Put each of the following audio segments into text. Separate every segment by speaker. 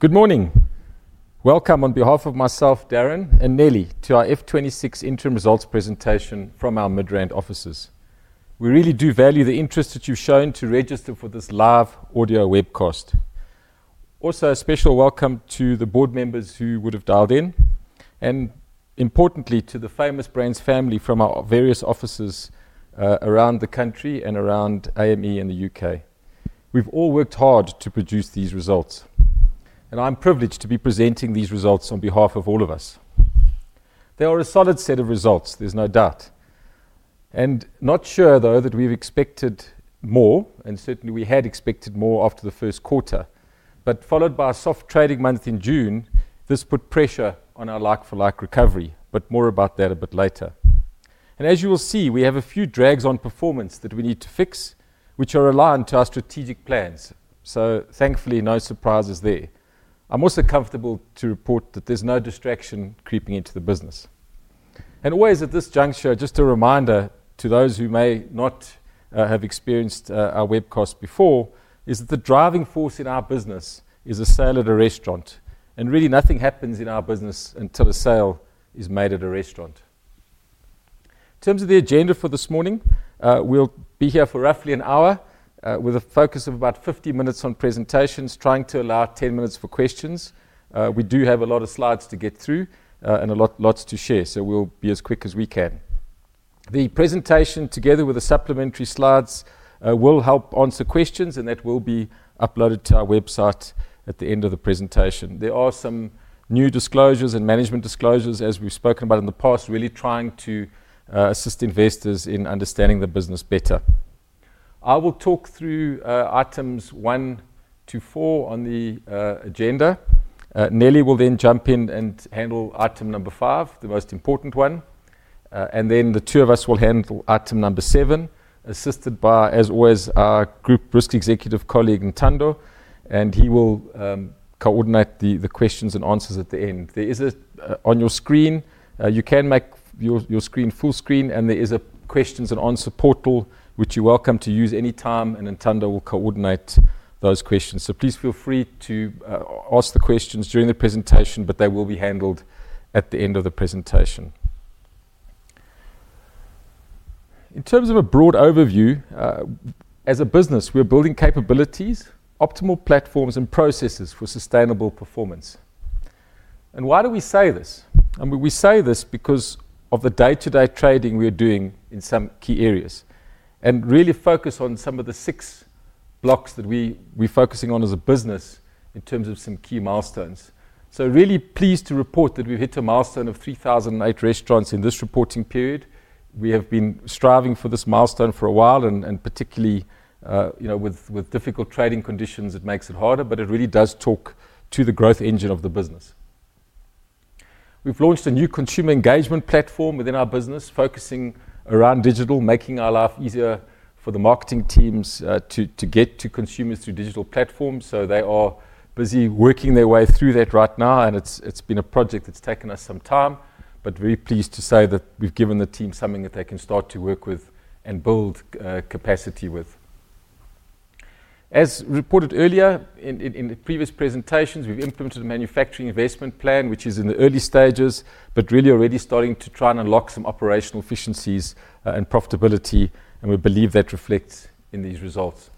Speaker 1: Good morning. Welcome on behalf of myself, Darren Hele, and Neli to our FY 2026 interim results presentation from our Midrand offices. We really do value the interest that you've shown to register for this live audio webcast. Also, a special welcome to the board members who would have dialed in, and importantly, to the Famous Brands family from our various offices around the country and around AME in the UK. We've all worked hard to produce these results, and I'm privileged to be presenting these results on behalf of all of us. They are a solid set of results, there's no doubt. I'm not sure, though, that we've expected more, and certainly we had expected more after the first quarter, but followed by a soft trading month in June, this put pressure on our like-for-like recovery, but more about that a bit later. As you will see, we have a few drags on performance that we need to fix, which are aligned to our strategic plans. Thankfully, no surprises there. I'm also comfortable to report that there's no distraction creeping into the business. Always at this juncture, just a reminder to those who may not have experienced our webcast before is that the driving force in our business is a sale at a restaurant, and really nothing happens in our business until a sale is made at a restaurant. In terms of the agenda for this morning, we'll be here for roughly an hour with a focus of about 50 minutes on presentations, trying to allow 10 minutes for questions. We do have a lot of slides to get through and lots to share, so we'll be as quick as we can. The presentation, together with the supplementary slides, will help answer questions, and that will be uploaded to our website at the end of the presentation. There are some new disclosures and management disclosures, as we've spoken about in the past, really trying to assist investors in understanding the business better. I will talk through items one to four on the agenda. Neli will then jump in and handle item number five, the most important one, and then the two of us will handle item number seven, assisted by, as always, our Group Risk Executive colleague Ntando, and he will coordinate the questions and answers at the end. On your screen, you can make your screen full screen, and there is a questions and answer portal which you're welcome to use anytime, and Ntando will coordinate those questions. Please feel free to ask questions during the presentation, but they will be handled at the end of the presentation. In terms of a broad overview, as a business, we're building capabilities, optimal platforms, and processes for sustainable performance. Why do we say this? We say this because of the day-to-day trading we're doing in some key areas, and really focus on some of the six blocks that we're focusing on as a business in terms of some key milestones. Really pleased to report that we've hit a milestone of 3,008 restaurants in this reporting period. We have been striving for this milestone for a while, and particularly, with difficult trading conditions, it makes it harder, but it really does talk to the growth engine of the business. We've launched a new digital consumer engagement platform within our business, focusing around digital, making our life easier for the marketing teams to get to consumers through digital platforms. They are busy working their way through that right now, and it's been a project that's taken us some time, but very pleased to say that we've given the team something that they can start to work with and build capacity with. As reported earlier in previous presentations, we've implemented a manufacturing investment plan, which is in the early stages, but really already starting to try and unlock some operational efficiencies and profitability, and we believe that reflects in these results.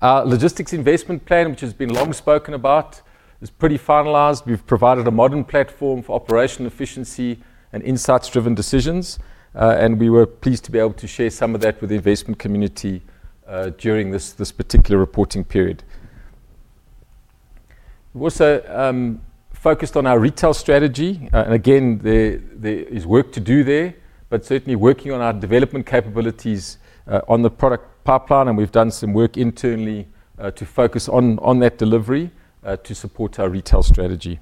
Speaker 1: Our logistics investment plan, which has been long spoken about, is pretty finalized. We've provided a modern platform for operational efficiency and insights-driven decisions, and we were pleased to be able to share some of that with the investment community during this particular reporting period. We've also focused on our retail strategy, and again, there is work to do there, but certainly working on our development capabilities on the product pipeline, and we've done some work internally to focus on that delivery to support our retail strategy.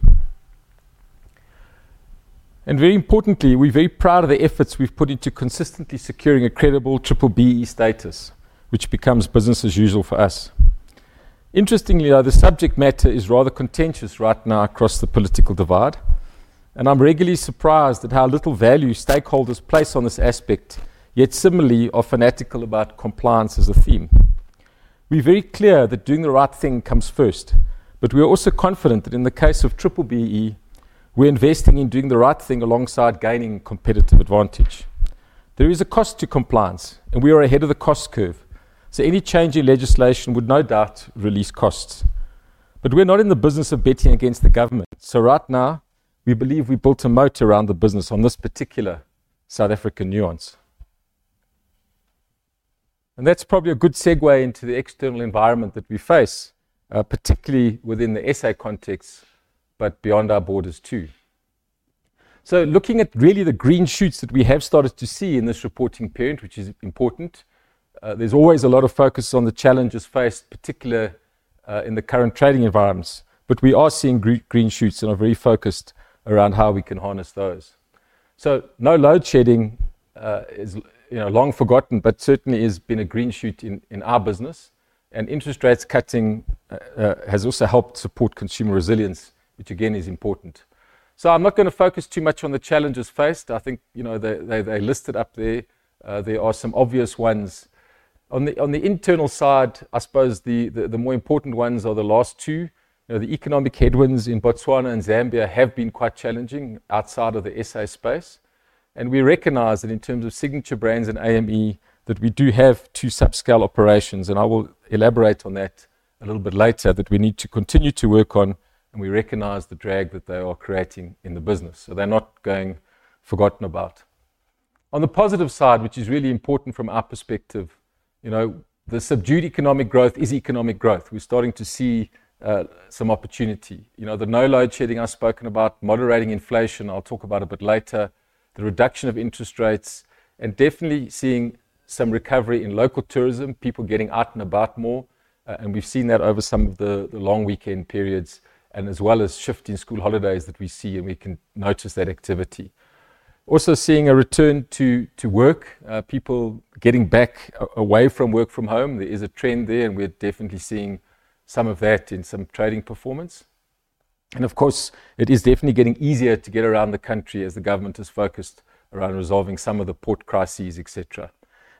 Speaker 1: Very importantly, we're very proud of the efforts we've put into consistently securing a credible BBBE status, which becomes business as usual for us. Interestingly, the subject matter is rather contentious right now across the political divide, and I'm regularly surprised at how little value stakeholders place on this aspect, yet similarly are fanatical about compliance as a theme. We're very clear that doing the right thing comes first, but we're also confident that in the case of BBBE, we're investing in doing the right thing alongside gaining competitive advantage. There is a cost to compliance, and we are ahead of the cost curve, so any change in legislation would no doubt release costs. We're not in the business of betting against the government. Right now, we believe we've built a moat around the business on this particular South African nuance. That's probably a good segue into the external environment that we face, particularly within the South Africa context, but beyond our borders too. Looking at really the green shoots that we have started to see in this reporting period, which is important, there's always a lot of focus on the challenges faced, particularly in the current trading environments, but we are seeing green shoots and are very focused around how we can harness those. No load shedding is long forgotten, but certainly has been a green shoot in our business, and interest rates cutting has also helped support consumer resilience, which again is important. I'm not going to focus too much on the challenges faced. I think they listed up there. There are some obvious ones. On the internal side, I suppose the more important ones are the last two. The economic headwinds in Botswana and Zambia have been quite challenging outside of the South Africa space, and we recognize that in terms of signature brands and AME, that we do have two subscale operations, and I will elaborate on that a little bit later, that we need to continue to work on, and we recognize the drag that they are creating in the business. They're not going forgotten about. On the positive side, which is really important from our perspective, you know, the subdued economic growth is economic growth. We're starting to see some opportunity. The no load shedding I've spoken about, moderating inflation, I'll talk about a bit later, the reduction of interest rates, and definitely seeing some recovery in local tourism, people getting out and about more, and we've seen that over some of the long weekend periods, as well as shifting school holidays that we see, and we can notice that activity. Also seeing a return to work, people getting back away from work from home, there is a trend there, and we're definitely seeing some of that in some trading performance. Of course, it is definitely getting easier to get around the country as the government has focused on resolving some of the port crises, etc.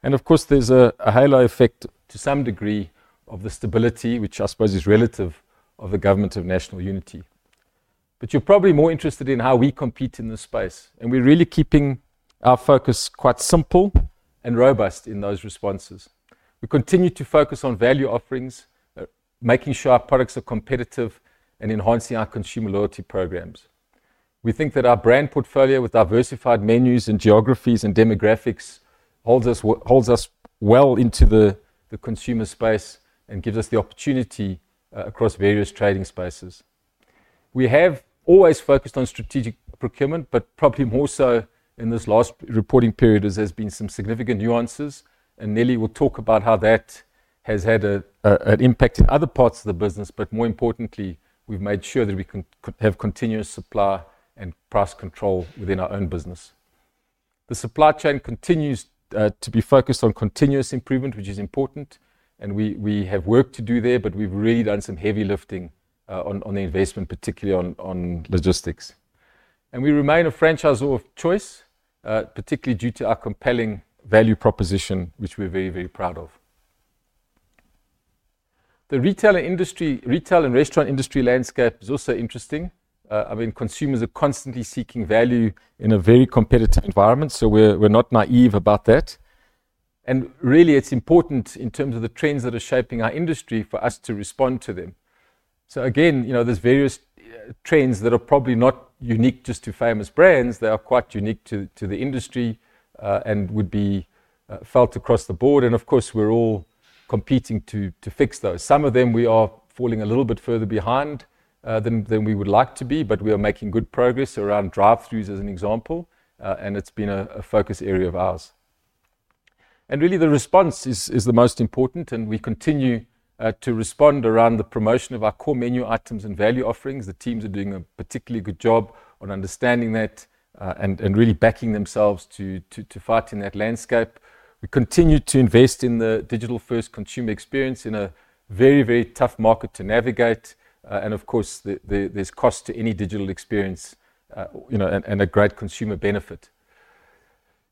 Speaker 1: There is a halo effect to some degree of the stability, which I suppose is relative of a government of national unity. You're probably more interested in how we compete in this space, and we're really keeping our focus quite simple and robust in those responses. We continue to focus on value offerings, making sure our products are competitive, and enhancing our consumer loyalty programs. We think that our brand portfolio with diversified menus and geographies and demographics holds us well into the consumer space and gives us the opportunity across various trading spaces. We have always focused on strategic procurement, but probably more so in this last reporting period, there's been some significant nuances, and Neli will talk about how that has had an impact in other parts of the business. More importantly, we've made sure that we have continuous supply and price control within our own business. The supply chain continues to be focused on continuous improvement, which is important, and we have work to do there, but we've really done some heavy lifting on the investment, particularly on logistics. We remain a franchisor of choice, particularly due to our compelling value proposition, which we're very, very proud of. The retail and restaurant industry landscape is also interesting. Consumers are constantly seeking value in a very competitive environment, so we're not naive about that. It's important in terms of the trends that are shaping our industry for us to respond to them. There are various trends that are probably not unique just to Famous Brands Ltd. They are quite unique to the industry and would be felt across the board, and of course, we're all competing to fix those. Some of them we are falling a little bit further behind than we would like to be, but we are making good progress around drive-throughs as an example, and it's been a focus area of ours. The response is the most important, and we continue to respond around the promotion of our core menu items and value offerings. The teams are doing a particularly good job on understanding that and really backing themselves to fight in that landscape. We continue to invest in the digital-first consumer experience in a very, very tough market to navigate, and of course, there's cost to any digital experience, you know, and a great consumer benefit.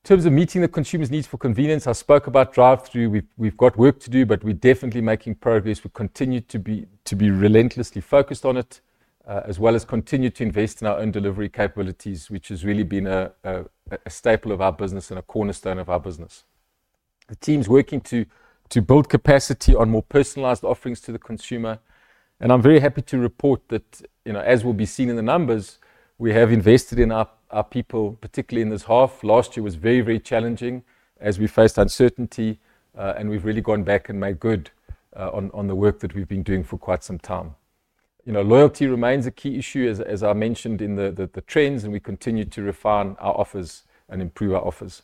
Speaker 1: In terms of meeting the consumer's needs for convenience, I spoke about drive-through. We've got work to do, but we're definitely making progress. We continue to be relentlessly focused on it, as well as continue to invest in our own delivery capabilities, which has really been a staple of our business and a cornerstone of our business. The team's working to build capacity on more personalized offerings to the consumer, and I'm very happy to report that, you know, as will be seen in the numbers, we have invested in our people, particularly in this half. Last year was very, very challenging as we faced uncertainty, and we've really gone back and made good on the work that we've been doing for quite some time. Loyalty remains a key issue, as I mentioned in the trends, and we continue to refine our offers and improve our offers.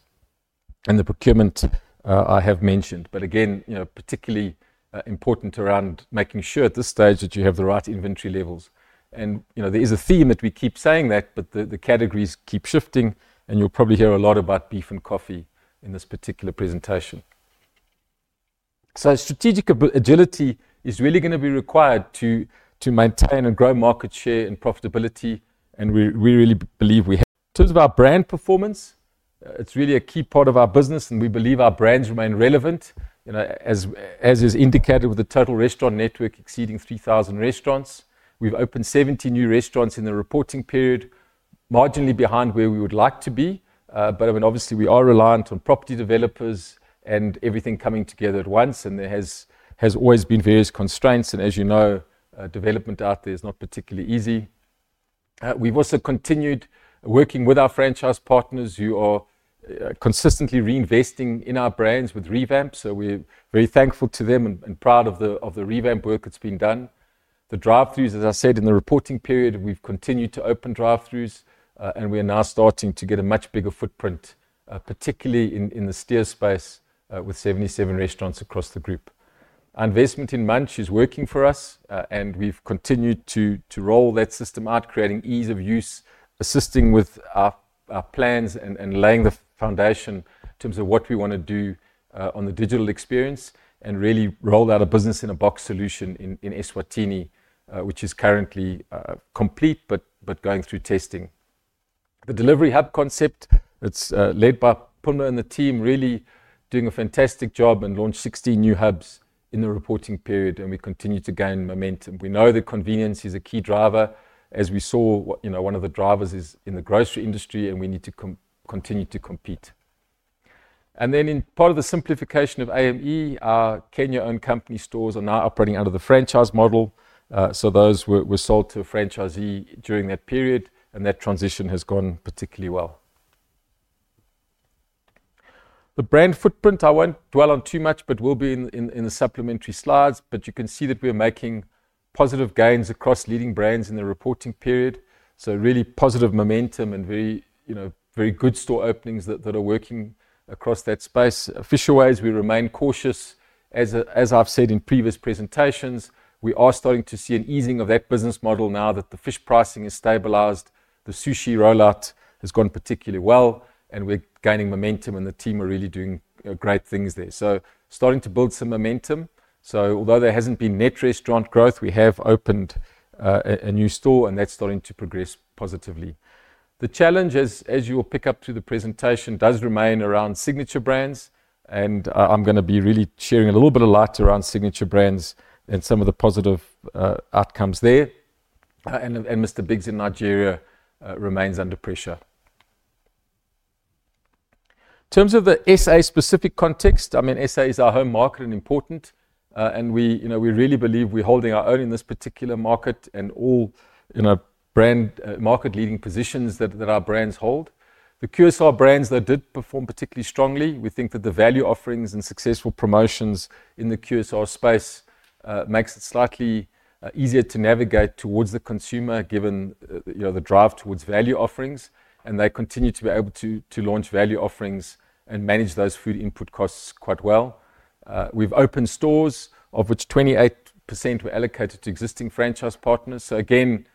Speaker 1: The procurement I have mentioned, but again, particularly important around making sure at this stage that you have the right inventory levels. There is a theme that we keep saying that, but the categories keep shifting, and you'll probably hear a lot about beef and coffee in this particular presentation. Strategic agility is really going to be required to maintain and grow market share and profitability, and we really believe we. In terms of our brand performance, it's really a key part of our business, and we believe our brands remain relevant. As is indicated with the total restaurant network exceeding 3,000 restaurants, we've opened 17 new restaurants in the reporting period, marginally behind where we would like to be, but I mean, obviously, we are reliant on property developers and everything coming together at once, and there have always been various constraints, and as you know, development out there is not particularly easy. We've also continued working with our franchise partners who are consistently reinvesting in our brands with revamps, so we're very thankful to them and proud of the revamp work that's being done. The drive-throughs, as I said, in the reporting period, we've continued to open drive-throughs, and we are now starting to get a much bigger footprint, particularly in the steel space with 77 restaurants across the group. Our investment in Munch is working for us, and we've continued to roll that system out, creating ease of use, assisting with our plans, and laying the foundation in terms of what we want to do on the digital experience, and really rolled out a business-in-a-box solution in Eswatini, which is currently complete but going through testing. The delivery hub concept that's led by Puma and the team is really doing a fantastic job and launched 16 new hubs in the reporting period, and we continue to gain momentum. We know that convenience is a key driver, as we saw, one of the drivers is in the grocery industry, and we need to continue to compete. In part of the simplification of AME, our Kenya-owned company stores are now operating under the franchise model, so those were sold to a franchisee during that period, and that transition has gone particularly well. The brand footprint, I won't dwell on too much, but will be in the supplementary slides, but you can see that we're making positive gains across leading brands in the reporting period, so really positive momentum and very good store openings that are working across that space. Fisher Ways, we remain cautious. As I've said in previous presentations, we are starting to see an easing of that business model now that the fish pricing is stabilized, the sushi roll-out has gone particularly well, and we're gaining momentum, and the team are really doing great things there. Starting to build some momentum. Although there hasn't been net restaurant growth, we have opened a new store, and that's starting to progress positively. The challenge, as you will pick up through the presentation, does remain around signature brands, and I'm going to be really sharing a little bit of light around signature brands and some of the positive outcomes there. Mr. Biggs in Nigeria remains under pressure. In terms of the SA-specific context, SA is our home market and important, and we really believe we're holding our own in this particular market and all brand market-leading positions that our brands hold. The QSR brands that did perform particularly strongly, we think that the value offerings and successful promotions in the QSR space make it slightly easier to navigate towards the consumer given the drive towards value offerings, and they continue to be able to launch value offerings and manage those food input costs quite well. We've opened stores, of which 28% were allocated to existing franchise partners, so again,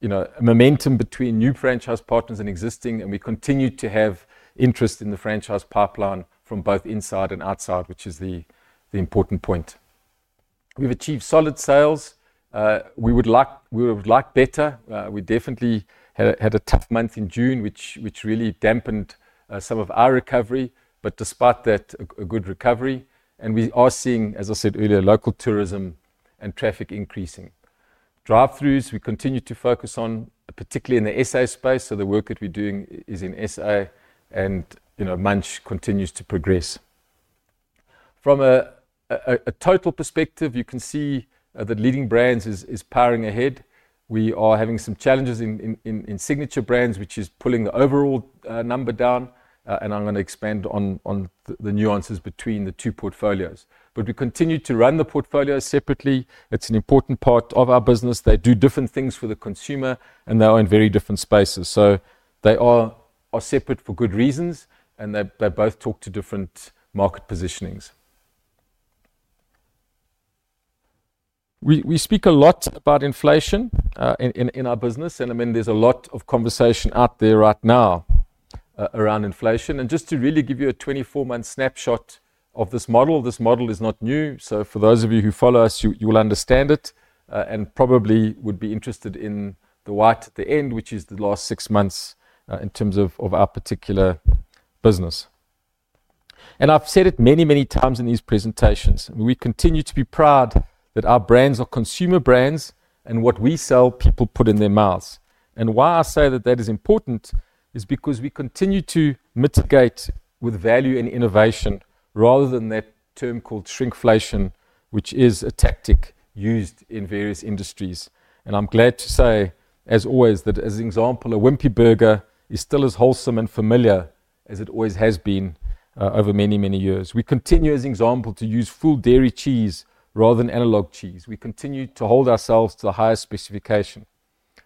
Speaker 1: you know, momentum between new franchise partners and existing, and we continue to have interest in the franchise pipeline from both inside and outside, which is the important point. We've achieved solid sales. We would like better. We definitely had a tough month in June, which really dampened some of our recovery, but despite that, a good recovery, and we are seeing, as I said earlier, local tourism and traffic increasing. Drive-throughs, we continue to focus on, particularly in the SA space, so the work that we're doing is in SA, and, you know, Munch continues to progress. From a total perspective, you can see that leading brands are powering ahead. We are having some challenges in signature brands, which is pulling the overall number down, and I'm going to expand on the nuances between the two portfolios. We continue to run the portfolios separately. It's an important part of our business. They do different things for the consumer, and they are in very different spaces, so they are separate for good reasons, and they both talk to different market positionings. We speak a lot about inflation in our business, and I mean, there's a lot of conversation out there right now around inflation, and just to really give you a 24-month snapshot of this model, this model is not new, so for those of you who follow us, you'll understand it and probably would be interested in the white at the end, which is the last six months in terms of our particular business. I've said it many, many times in these presentations. We continue to be proud that our brands are consumer brands, and what we sell, people put in their mouths. Why I say that that is important is because we continue to mitigate with value and innovation rather than that term called shrinkflation, which is a tactic used in various industries. I'm glad to say, as always, that as an example, a Wimpy Burger is still as wholesome and familiar as it always has been over many, many years. We continue, as an example, to use full dairy cheese rather than analogue cheese. We continue to hold ourselves to the highest specification.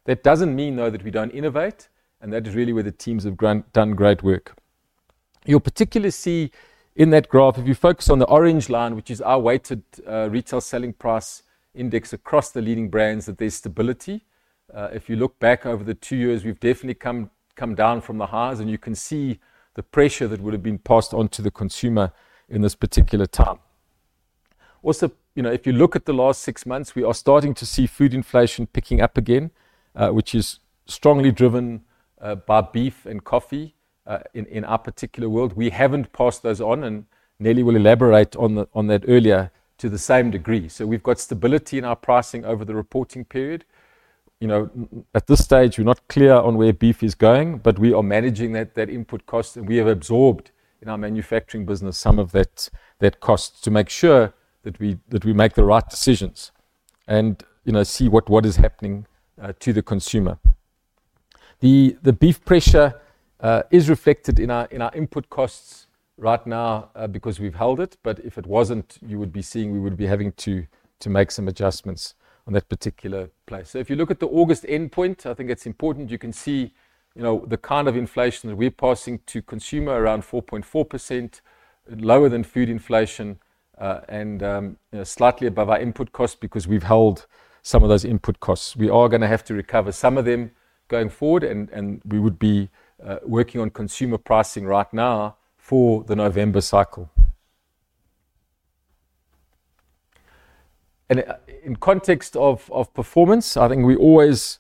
Speaker 1: That doesn't mean, though, that we don't innovate, and that is really where the teams have done great work. You'll particularly see in that graph, if you focus on the orange line, which is our weighted retail selling price index across the leading brands, that there's stability. If you look back over the two years, we've definitely come down from the highs, and you can see the pressure that would have been passed on to the consumer in this particular time. Also, if you look at the last six months, we are starting to see food inflation picking up again, which is strongly driven by beef and coffee in our particular world. We haven't passed those on, and Neli will elaborate on that earlier to the same degree. We've got stability in our pricing over the reporting period. At this stage, we're not clear on where beef is going, but we are managing that input cost, and we have absorbed in our manufacturing business some of that cost to make sure that we make the right decisions and see what is happening to the consumer. The beef pressure is reflected in our input costs right now because we've held it, but if it wasn't, you would be seeing we would be having to make some adjustments on that particular place. If you look at the August endpoint, I think it's important. You can see the kind of inflation that we're passing to consumer around 4.4%, lower than food inflation, and slightly above our input costs because we've held some of those input costs. We are going to have to recover some of them going forward, and we would be working on consumer pricing right now for the November cycle. In context of performance, I think we always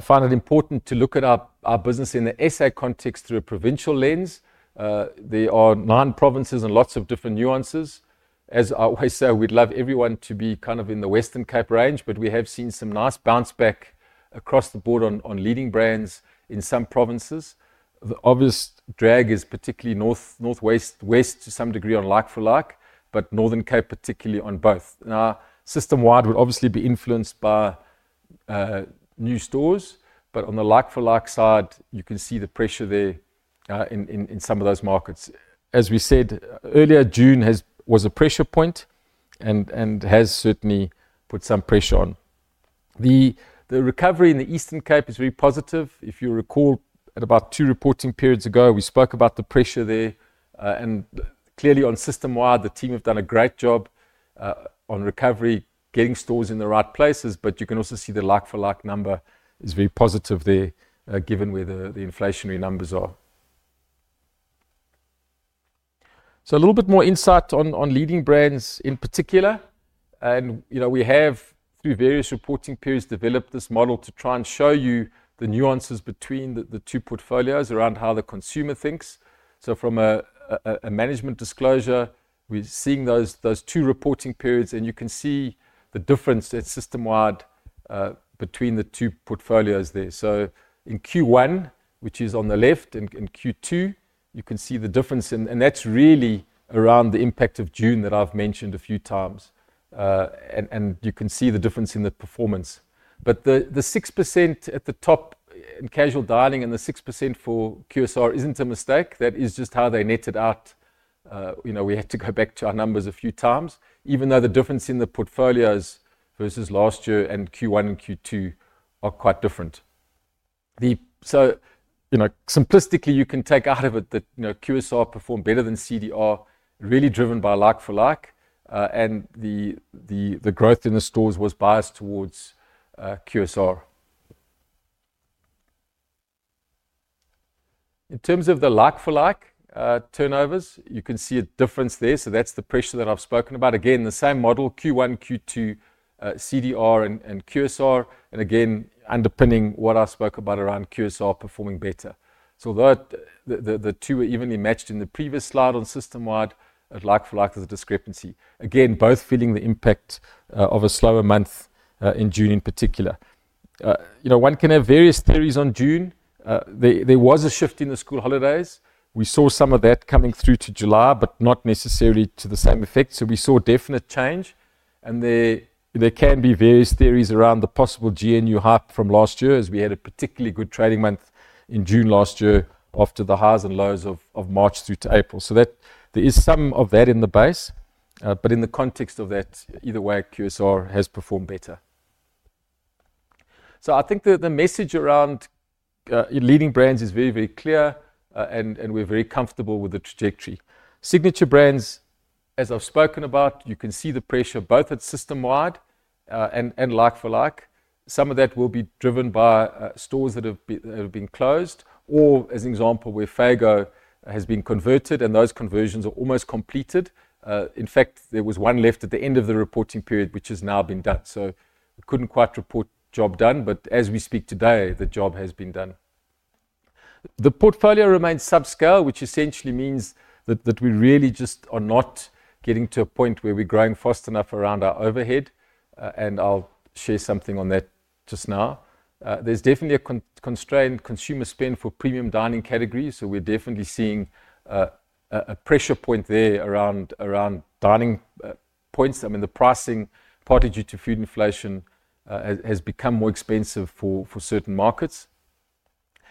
Speaker 1: find it important to look at our business in the SA context through a provincial lens. There are nine provinces and lots of different nuances. As I always say, we'd love everyone to be kind of in the Western Cape range, but we have seen some nice bounce back across the board on leading brands in some provinces. The obvious drag is particularly Northwest to some degree on like-for-like, but Northern Cape particularly on both. System-wide, we'll obviously be influenced by new stores, but on the like-for-like side, you can see the pressure there in some of those markets. As we said earlier, June was a pressure point and has certainly put some pressure on. The recovery in the Eastern Cape is very positive. If you recall, at about two reporting periods ago, we spoke about the pressure there, and clearly on system-wide, the team have done a great job on recovery, getting stores in the right places, but you can also see the like-for-like number is very positive there given where the inflationary numbers are. A little bit more insight on leading brands in particular, and you know, we have through various reporting periods developed this model to try and show you the nuances between the two portfolios around how the consumer thinks. From a management disclosure, we're seeing those two reporting periods, and you can see the difference at system-wide between the two portfolios there. In Q1, which is on the left, and Q2, you can see the difference, and that's really around the impact of June that I've mentioned a few times, and you can see the difference in the performance. The 6% at the top in casual dining and the 6% for QSR isn't a mistake. That is just how they netted out. We had to go back to our numbers a few times, even though the difference in the portfolios versus last year and Q1 and Q2 are quite different. Simplistically, you can take out of it that QSR performed better than CDR, really driven by like-for-like, and the growth in the stores was biased towards QSR. In terms of the like-for-like turnovers, you can see a difference there, so that's the pressure that I've spoken about. Again, the same model, Q1, Q2, CDR, and QSR, and again underpinning what I spoke about around QSR performing better. Although the two were evenly matched in the previous slide on system-wide, like-for-like is a discrepancy. Both feeling the impact of a slower month in June in particular. One can have various theories on June. There was a shift in the school holidays. We saw some of that coming through to July, but not necessarily to the same effect, so we saw definite change, and there can be various theories around the possible GNU hype from last year, as we had a particularly good trading month in June last year after the highs and lows of March through to April. There is some of that in the base, but in the context of that, either way, QSR has performed better. I think that the message around leading brands is very, very clear, and we're very comfortable with the trajectory. Signature brands, as I've spoken about, you can see the pressure both at system-wide and like-for-like. Some of that will be driven by stores that have been closed, or as an example, where Fago has been converted, and those conversions are almost completed. In fact, there was one left at the end of the reporting period, which has now been done, so we couldn't quite report job done, but as we speak today, the job has been done. The portfolio remains subscale, which essentially means that we really just are not getting to a point where we're growing fast enough around our overhead, and I'll share something on that just now. There's definitely a constrained consumer spend for premium dining categories, so we're definitely seeing a pressure point there around dining points. I mean, the pricing part due to food inflation has become more expensive for certain markets.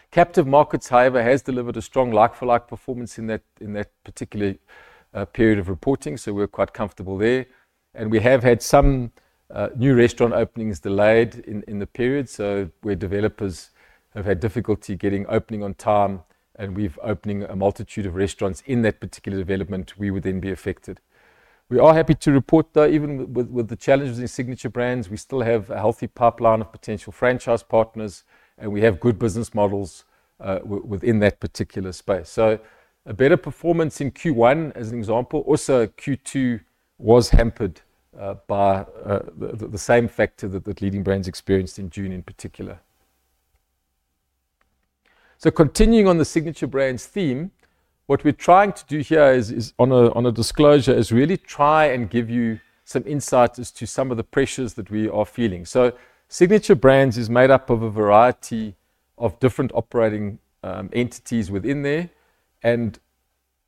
Speaker 1: Captive markets, however, have delivered a strong like-for-like performance in that particular period of reporting, so we're quite comfortable there, and we have had some new restaurant openings delayed in the period, where developers have had difficulty getting opening on time, and we've opened a multitude of restaurants in that particular development, we would then be affected. We are happy to report, though, even with the challenges in signature brands, we still have a healthy pipeline of potential franchise partners, and we have good business models within that particular space. A better performance in Q1, as an example, also Q2 was hampered by the same factor that leading brands experienced in June in particular. Continuing on the signature brands theme, what we're trying to do here is on a disclosure is really try and give you some insights as to some of the pressures that we are feeling. Signature brands are made up of a variety of different operating entities within there, and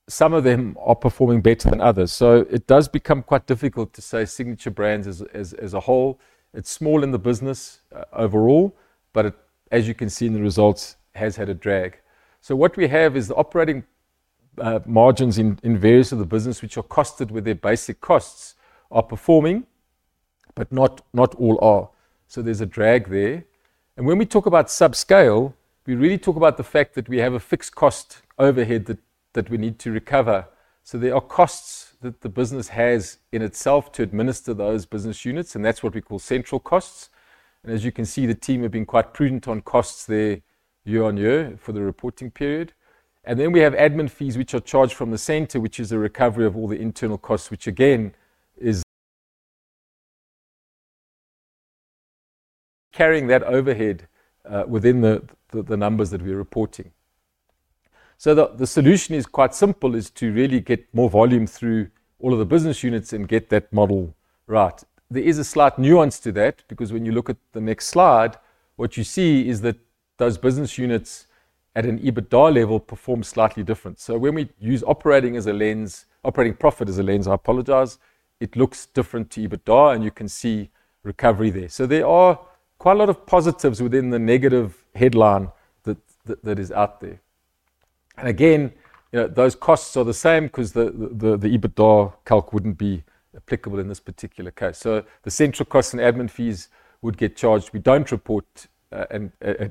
Speaker 1: some of them are performing better than others. It does become quite difficult to say signature brands as a whole. It's small in the business overall, but as you can see in the results, it has had a drag. What we have is the operating margins in various of the business, which are costed with their basic costs, are performing, but not all are. There's a drag there. When we talk about subscale, we really talk about the fact that we have a fixed cost overhead that we need to recover. There are costs that the business has in itself to administer those business units, and that's what we call central costs. As you can see, the team have been quite prudent on costs there year on year for the reporting period. We have admin fees, which are charged from the center, which is a recovery of all the internal costs, which again is carrying that overhead within the numbers that we're reporting. The solution is quite simple, is to really get more volume through all of the business units and get that model right. There is a slight nuance to that because when you look at the next slide, what you see is that those business units at an EBITDA level perform slightly different. When we use operating profit as a lens, I apologize, it looks different to EBITDA, and you can see recovery there. There are quite a lot of positives within the negative headline that is out there. Again, those costs are the same because the EBITDA calc wouldn't be applicable in this particular case. The central costs and admin fees would get charged. We don't report at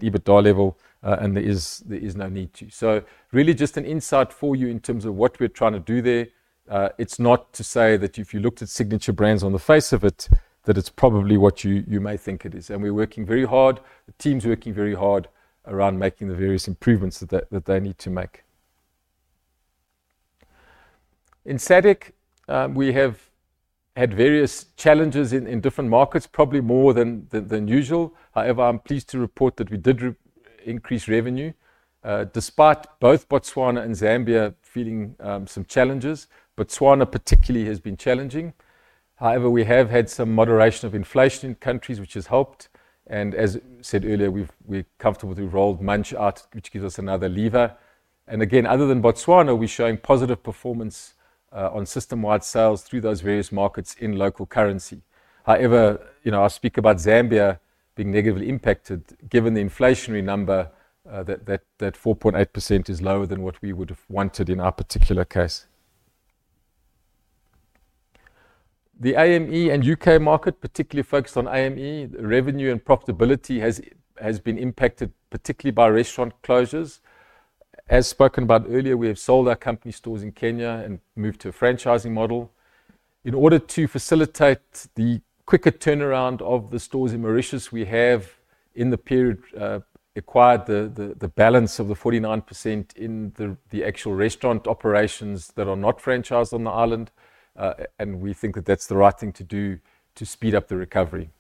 Speaker 1: EBITDA level, and there is no need to. Really just an insight for you in terms of what we're trying to do there. It's not to say that if you looked at signature brands on the face of it, that it's probably what you may think it is. We're working very hard. The team's working very hard around making the various improvements that they need to make. In SADC, we have had various challenges in different markets, probably more than usual. However, I'm pleased to report that we did increase revenue despite both Botswana and Zambia feeling some challenges. Botswana particularly has been challenging. However, we have had some moderation of inflation in countries, which has helped. As I said earlier, we're comfortable to roll Munch out, which gives us another lever. Other than Botswana, we're showing positive performance on system-wide sales through those various markets in local currency. I speak about Zambia being negatively impacted given the inflationary number that 4.8% is lower than what we would have wanted in our particular case. The AME and UK market, particularly focused on AME, revenue and profitability has been impacted particularly by restaurant closures. As spoken about earlier, we have sold our company stores in Kenya and moved to a franchising model. In order to facilitate the quicker turnaround of the stores in Mauritius, we have in the period acquired the balance of the 49% in the actual restaurant operations that are not franchised on the island, and we think that that's the right thing to do to speed up the recovery.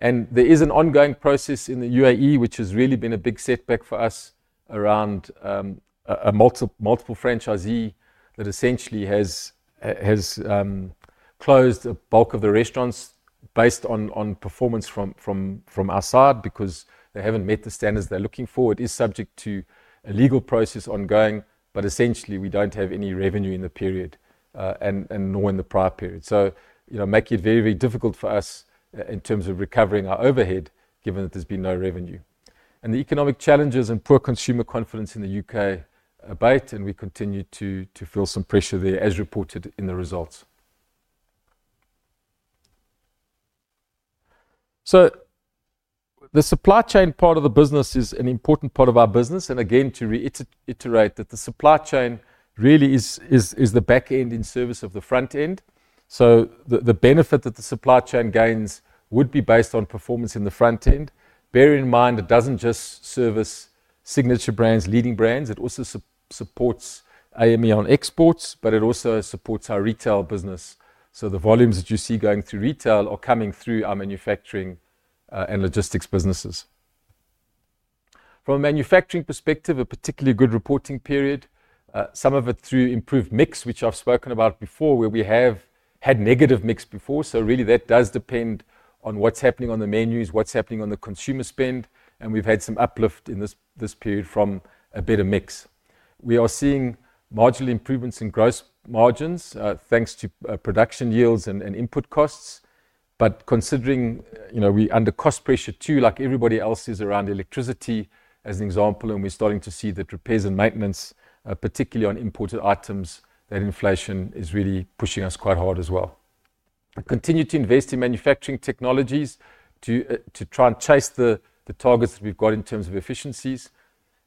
Speaker 1: There is an ongoing process in the UAE, which has really been a big setback for us around a multiple franchisee that essentially has closed the bulk of the restaurants based on performance from our side because they haven't met the standards they're looking for. It is subject to a legal process ongoing, but essentially we don't have any revenue in the period nor in the prior period. You know, making it very, very difficult for us in terms of recovering our overhead given that there's been no revenue. The economic challenges and poor consumer confidence in the UK abate, and we continue to feel some pressure there as reported in the results. The supply chain part of the business is an important part of our business, and again to reiterate that the supply chain really is the backend in service of the frontend. The benefit that the supply chain gains would be based on performance in the frontend. Bear in mind it doesn't just service signature brands, leading brands. It also supports AME on exports, but it also supports our retail business. The volumes that you see going through retail are coming through our manufacturing and logistics businesses. From a manufacturing perspective, a particularly good reporting period, some of it through improved mix, which I've spoken about before, where we have had negative mix before. That does depend on what's happening on the menus, what's happening on the consumer spend, and we've had some uplift in this period from a better mix. We are seeing marginal improvements in gross margins thanks to production yields and input costs, but considering, you know, we're under cost pressure too, like everybody else is around electricity as an example, and we're starting to see that repairs and maintenance, particularly on imported items, that inflation is really pushing us quite hard as well. We continue to invest in manufacturing technologies to try and chase the targets that we've got in terms of efficiencies,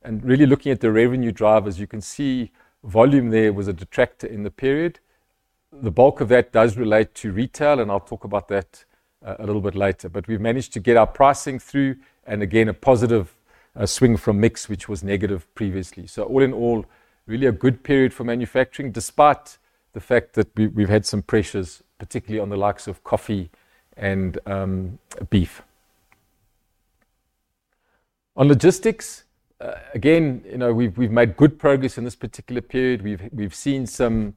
Speaker 1: and really looking at the revenue drivers, you can see volume there was a detractor in the period. The bulk of that does relate to retail, and I'll talk about that a little bit later, but we've managed to get our pricing through and again a positive swing from mix, which was negative previously. All in all, really a good period for manufacturing despite the fact that we've had some pressures, particularly on the likes of coffee and beef. On logistics, again, we've made good progress in this particular period. We've seen some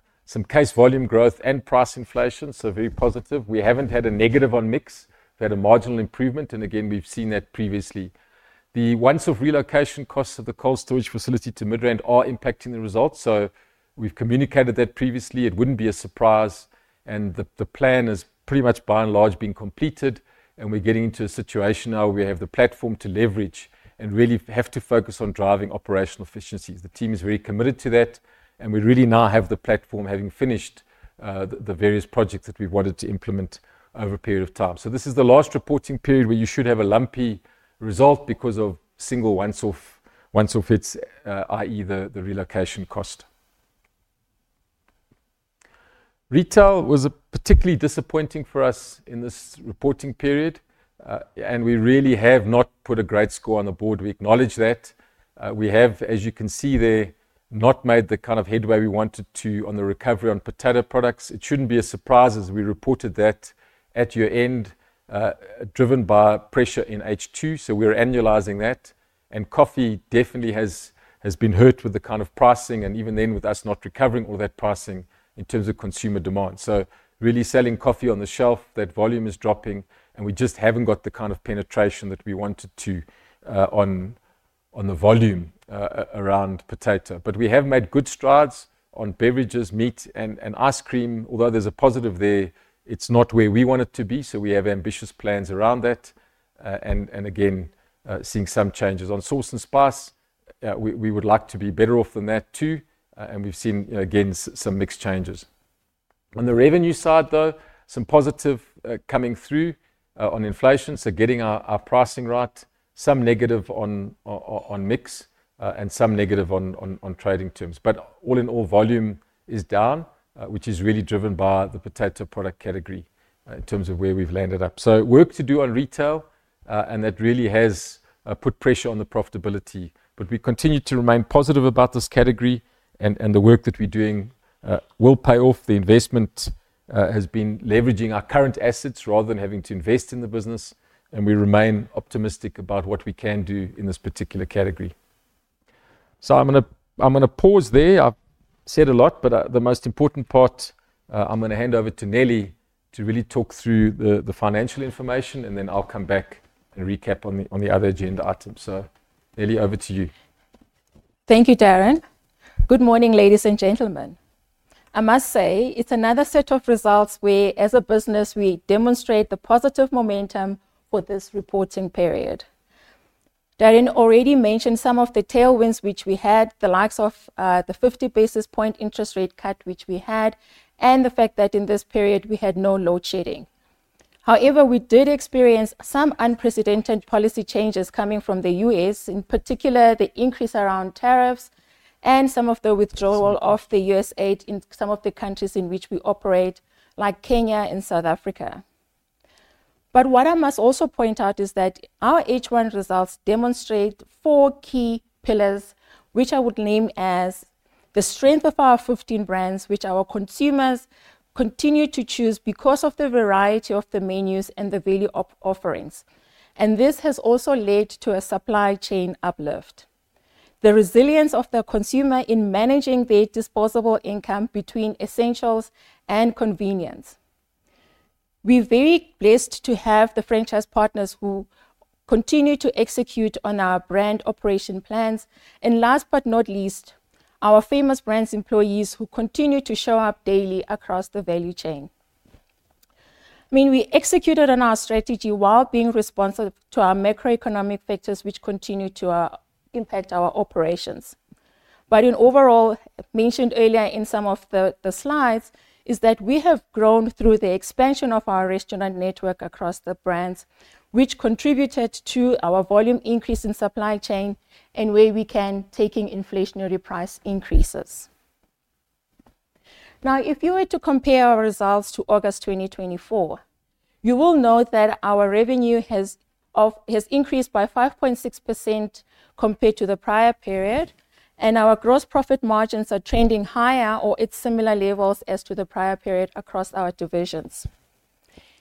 Speaker 1: case volume growth and price inflation, very positive. We haven't had a negative on mix. We've had a marginal improvement, and again we've seen that previously. The once-off relocation costs of the cold storage facility to Midrand are impacting the results, so we've communicated that previously. It wouldn't be a surprise, and the plan is pretty much by and large being completed. We're getting into a situation now where we have the platform to leverage and really have to focus on driving operational efficiencies. The team is very committed to that, and we really now have the platform, having finished the various projects that we've wanted to implement over a period of time. This is the last reporting period where you should have a lumpy result because of single once-off items, i.e., the relocation cost. Retail was particularly disappointing for us in this reporting period, and we really have not put a great score on the board. We acknowledge that. We have, as you can see there, not made the kind of headway we wanted to on the recovery on frozen potato products. It shouldn't be a surprise as we reported that at year end, driven by pressure in H2, so we're annualizing that, and coffee definitely has been hurt with the kind of pricing, and even then with us not recovering all that pricing in terms of consumer demand. Really, selling coffee on the shelf, that volume is dropping, and we just haven't got the kind of penetration that we wanted to on the volume around potato. We have made good strides on beverages, meat, and ice cream. Although there's a positive there, it's not where we want it to be, so we have ambitious plans around that, and again seeing some changes on sauce and spice. We would like to be better off than that too, and we've seen again some mixed changes. On the revenue side, though, some positive coming through on inflation, so getting our pricing right, some negative on mix and some negative on trading terms, but all in all volume is down, which is really driven by the frozen potato products category in terms of where we've landed up. There is work to do on retail, and that really has put pressure on the profitability, but we continue to remain positive about this category, and the work that we're doing will pay off. The investment has been leveraging our current assets rather than having to invest in the business, and we remain optimistic about what we can do in this particular category. I'm going to pause there. I've said a lot, but the most important part, I'm going to hand over to Neli to really talk through the financial information, and then I'll come back and recap on the other agenda items. Neli, over to you.
Speaker 2: Thank you, Darren. Good morning, ladies and gentlemen. I must say it's another set of results where, as a business, we demonstrate the positive momentum for this reporting period. Darren already mentioned some of the tailwinds which we had, the likes of the 50 basis point interest rate cut which we had, and the fact that in this period we had no load shedding. However, we did experience some unprecedented policy changes coming from the U.S., in particular the increase around tariffs and some of the withdrawal of the U.S. aid in some of the countries in which we operate, like Kenya and South Africa. What I must also point out is that our H1 results demonstrate four key pillars, which I would name as the strength of our 15 brands, which our consumers continue to choose because of the variety of the menus and the value offerings. This has also led to a supply chain uplift. The resilience of the consumer in managing their disposable income between essentials and convenience. We're very blessed to have the franchise partners who continue to execute on our brand operation plans, and last but not least, our Famous Brands employees who continue to show up daily across the value chain. I mean, we executed on our strategy while being responsive to our macroeconomic factors, which continue to impact our operations. In overall, mentioned earlier in some of the slides, is that we have grown through the expansion of our restaurant network across the brands, which contributed to our volume increase in supply chain and where we can take in inflationary price increases. Now, if you were to compare our results to August 2024, you will note that our revenue has increased by 5.6% compared to the prior period, and our gross profit margins are trending higher or at similar levels as to the prior period across our divisions.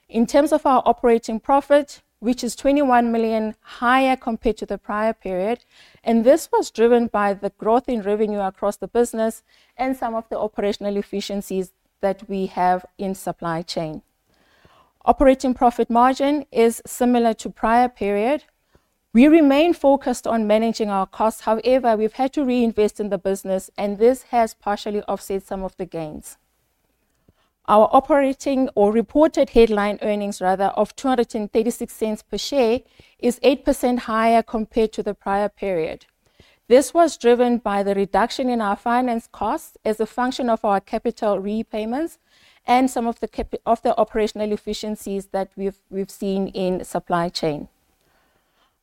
Speaker 2: In terms of our operating profit, which is $21 million higher compared to the prior period, this was driven by the growth in revenue across the business and some of the operational efficiencies that we have in supply chain. Operating profit margin is similar to prior period. We remain focused on managing our costs, however, we've had to reinvest in the business, and this has partially offset some of the gains. Our operating or reported headline earnings, rather, of $2.36 per share is 8% higher compared to the prior period. This was driven by the reduction in our finance costs as a function of our capital repayments and some of the operational efficiencies that we've seen in supply chain.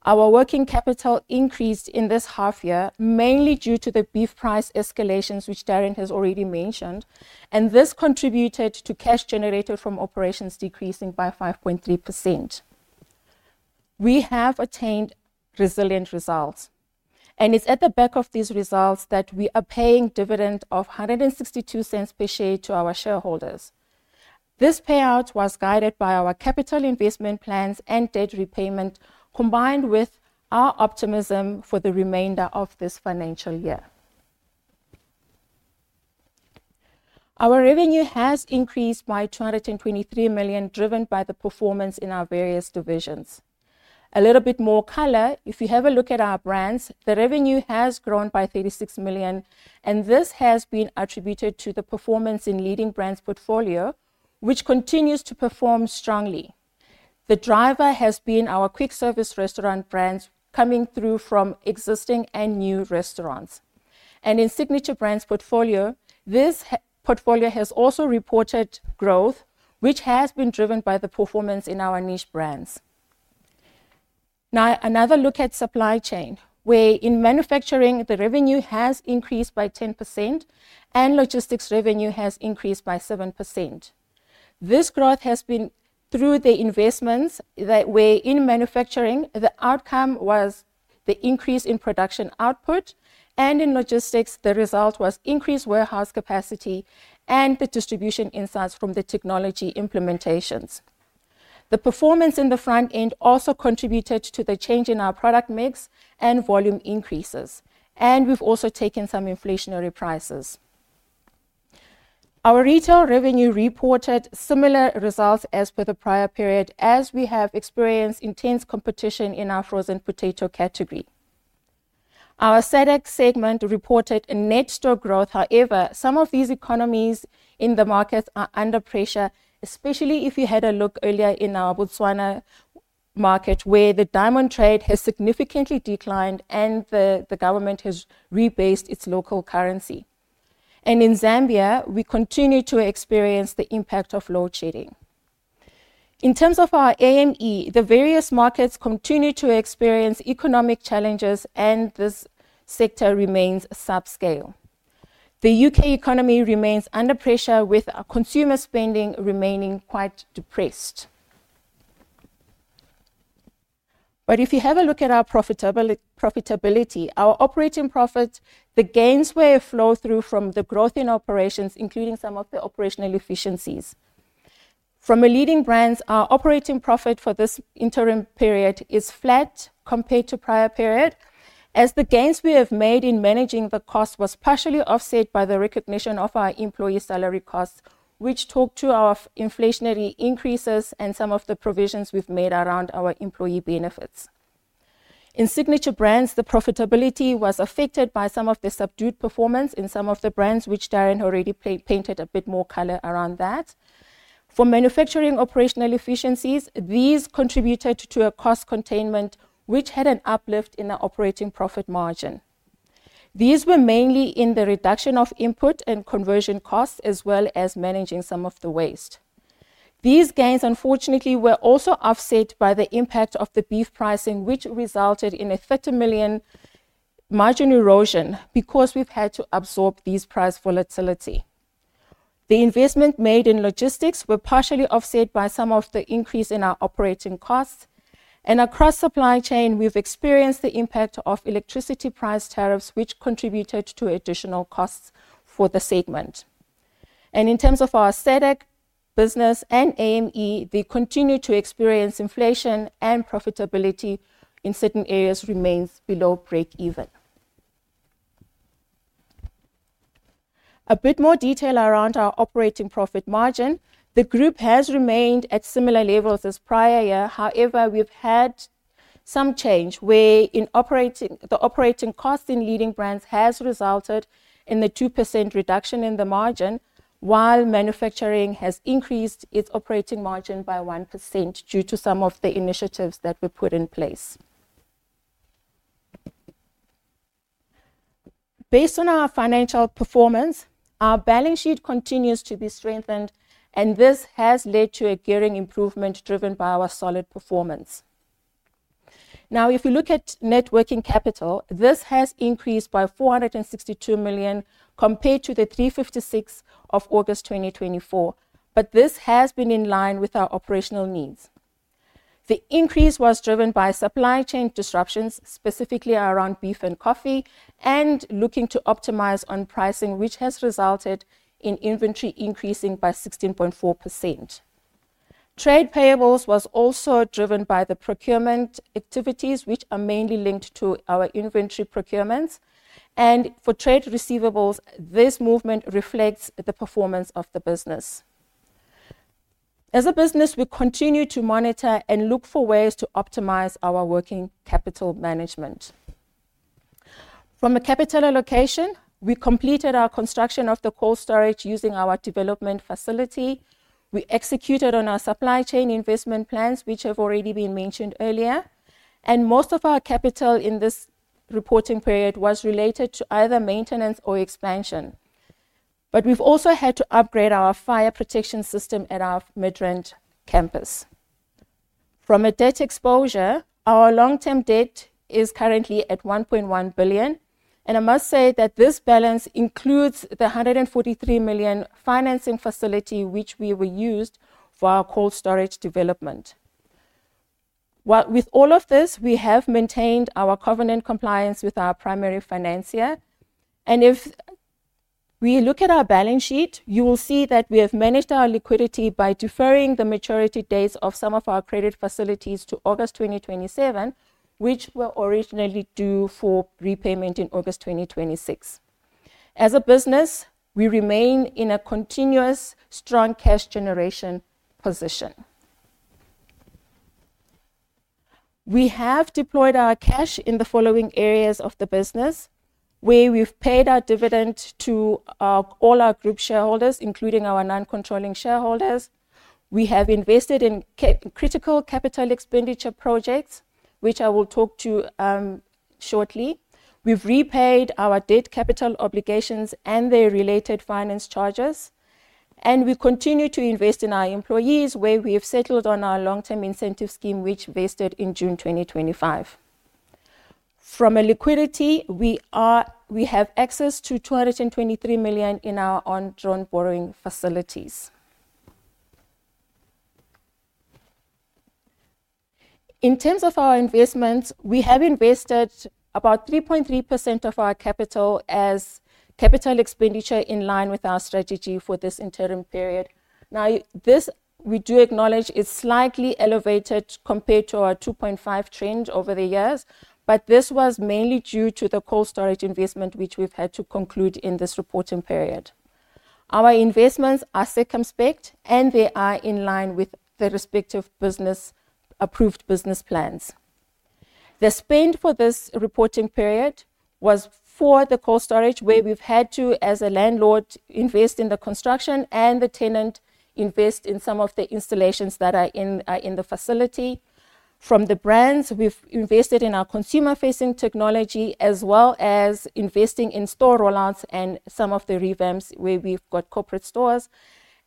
Speaker 2: Our working capital increased in this half-year mainly due to the beef price escalations, which Darren has already mentioned, and this contributed to cash generated from operations decreasing by 5.3%. We have attained resilient results, and it's at the back of these results that we are paying a dividend of $1.62 per share to our shareholders. This payout was guided by our capital investment plans and debt repayment, combined with our optimism for the remainder of this financial year. Our revenue has increased by $223 million, driven by the performance in our various divisions. A little bit more color, if you have a look at our brands, the revenue has grown by $36 million, and this has been attributed to the performance in leading brands' portfolio, which continues to perform strongly. The driver has been our quick-service restaurant brands coming through from existing and new restaurants. In signature brands' portfolio, this portfolio has also reported growth, which has been driven by the performance in our niche brands. Now, another look at supply chain, where in manufacturing, the revenue has increased by 10%, and logistics revenue has increased by 7%. This growth has been through the investments that were in manufacturing. The outcome was the increase in production output, and in logistics, the result was increased warehouse capacity and the distribution insights from the technology implementations. The performance in the front end also contributed to the change in our product mix and volume increases, and we've also taken some inflationary prices. Our retail revenue reported similar results as per the prior period, as we have experienced intense competition in our frozen potato products category. Our SADC segment reported a net store growth. However, some of these economies in the markets are under pressure, especially if you had a look earlier in our Botswana market, where the diamond trade has significantly declined and the government has rebased its local currency. In Zambia, we continue to experience the impact of load shedding. In terms of our AME, the various markets continue to experience economic challenges, and this sector remains subscale. The UK economy remains under pressure, with consumer spending remaining quite depressed. If you have a look at our profitability, our operating profit, the gains flow through from the growth in operations, including some of the operational efficiencies. From a leading brand, our operating profit for this interim period is flat compared to prior period, as the gains we have made in managing the cost was partially offset by the recognition of our employee salary costs, which talk to our inflationary increases and some of the provisions we've made around our employee benefits. In signature brands, the profitability was affected by some of the subdued performance in some of the brands, which Darren already painted a bit more color around that. For manufacturing operational efficiencies, these contributed to a cost containment, which had an uplift in the operating profit margin. These were mainly in the reduction of input and conversion costs, as well as managing some of the waste. These gains, unfortunately, were also offset by the impact of the beef pricing, which resulted in a $30 million margin erosion because we've had to absorb these price volatility. The investment made in logistics was partially offset by some of the increase in our operating costs, and across supply chain, we've experienced the impact of electricity price tariffs, which contributed to additional costs for the segment. In terms of our SADC business and AME, they continue to experience inflation, and profitability in certain areas remains below break even. A bit more detail around our operating profit margin, the group has remained at similar levels as prior year. However, we've had some change where the operating cost in leading brands has resulted in the 2% reduction in the margin, while manufacturing has increased its operating margin by 1% due to some of the initiatives that were put in place. Based on our financial performance, our balance sheet continues to be strengthened, and this has led to a gearing improvement driven by our solid performance. If you look at networking capital, this has increased by $462 million compared to the $356 million of August 2024, but this has been in line with our operational needs. The increase was driven by supply chain disruptions, specifically around beef and coffee, and looking to optimize on pricing, which has resulted in inventory increasing by 16.4%. Trade payables were also driven by the procurement activities, which are mainly linked to our inventory procurements, and for trade receivables, this movement reflects the performance of the business. As a business, we continue to monitor and look for ways to optimize our working capital management. From a capital allocation, we completed our construction of the cold storage using our development facility. We executed on our supply chain investment plans, which have already been mentioned earlier, and most of our capital in this reporting period was related to either maintenance or expansion. We have also had to upgrade our fire protection system at our Midrand campus. From a debt exposure, our long-term debt is currently at 1.1 billion, and I must say that this balance includes the 143 million financing facility which we reused for our cold storage development. With all of this, we have maintained our covenant compliance with our primary financier, and if we look at our balance sheet, you will see that we have managed our liquidity by deferring the maturity dates of some of our credit facilities to August 2027, which were originally due for repayment in August 2026. As a business, we remain in a continuous strong cash generation position. We have deployed our cash in the following areas of the business, where we've paid our dividend to all our group shareholders, including our non-controlling shareholders. We have invested in critical capital expenditure projects, which I will talk to shortly. We've repaid our debt capital obligations and their related finance charges, and we continue to invest in our employees, where we have settled on our long-term incentive scheme, which vested in June 2025. From a liquidity, we have access to 223 million in our undrawn borrowing facilities. In terms of our investments, we have invested about 3.3% of our capital as capital expenditure in line with our strategy for this interim period. Now, this, we do acknowledge, is slightly elevated compared to our 2.5% trend over the years, but this was mainly due to the cold storage investment, which we've had to conclude in this reporting period. Our investments are circumspect, and they are in line with the respective approved business plans. The spend for this reporting period was for the cold storage, where we've had to, as a landlord, invest in the construction and the tenant, invest in some of the installations that are in the facility. From the brands, we've invested in our consumer-facing technology, as well as investing in store roll-outs and some of the revamps where we've got corporate stores.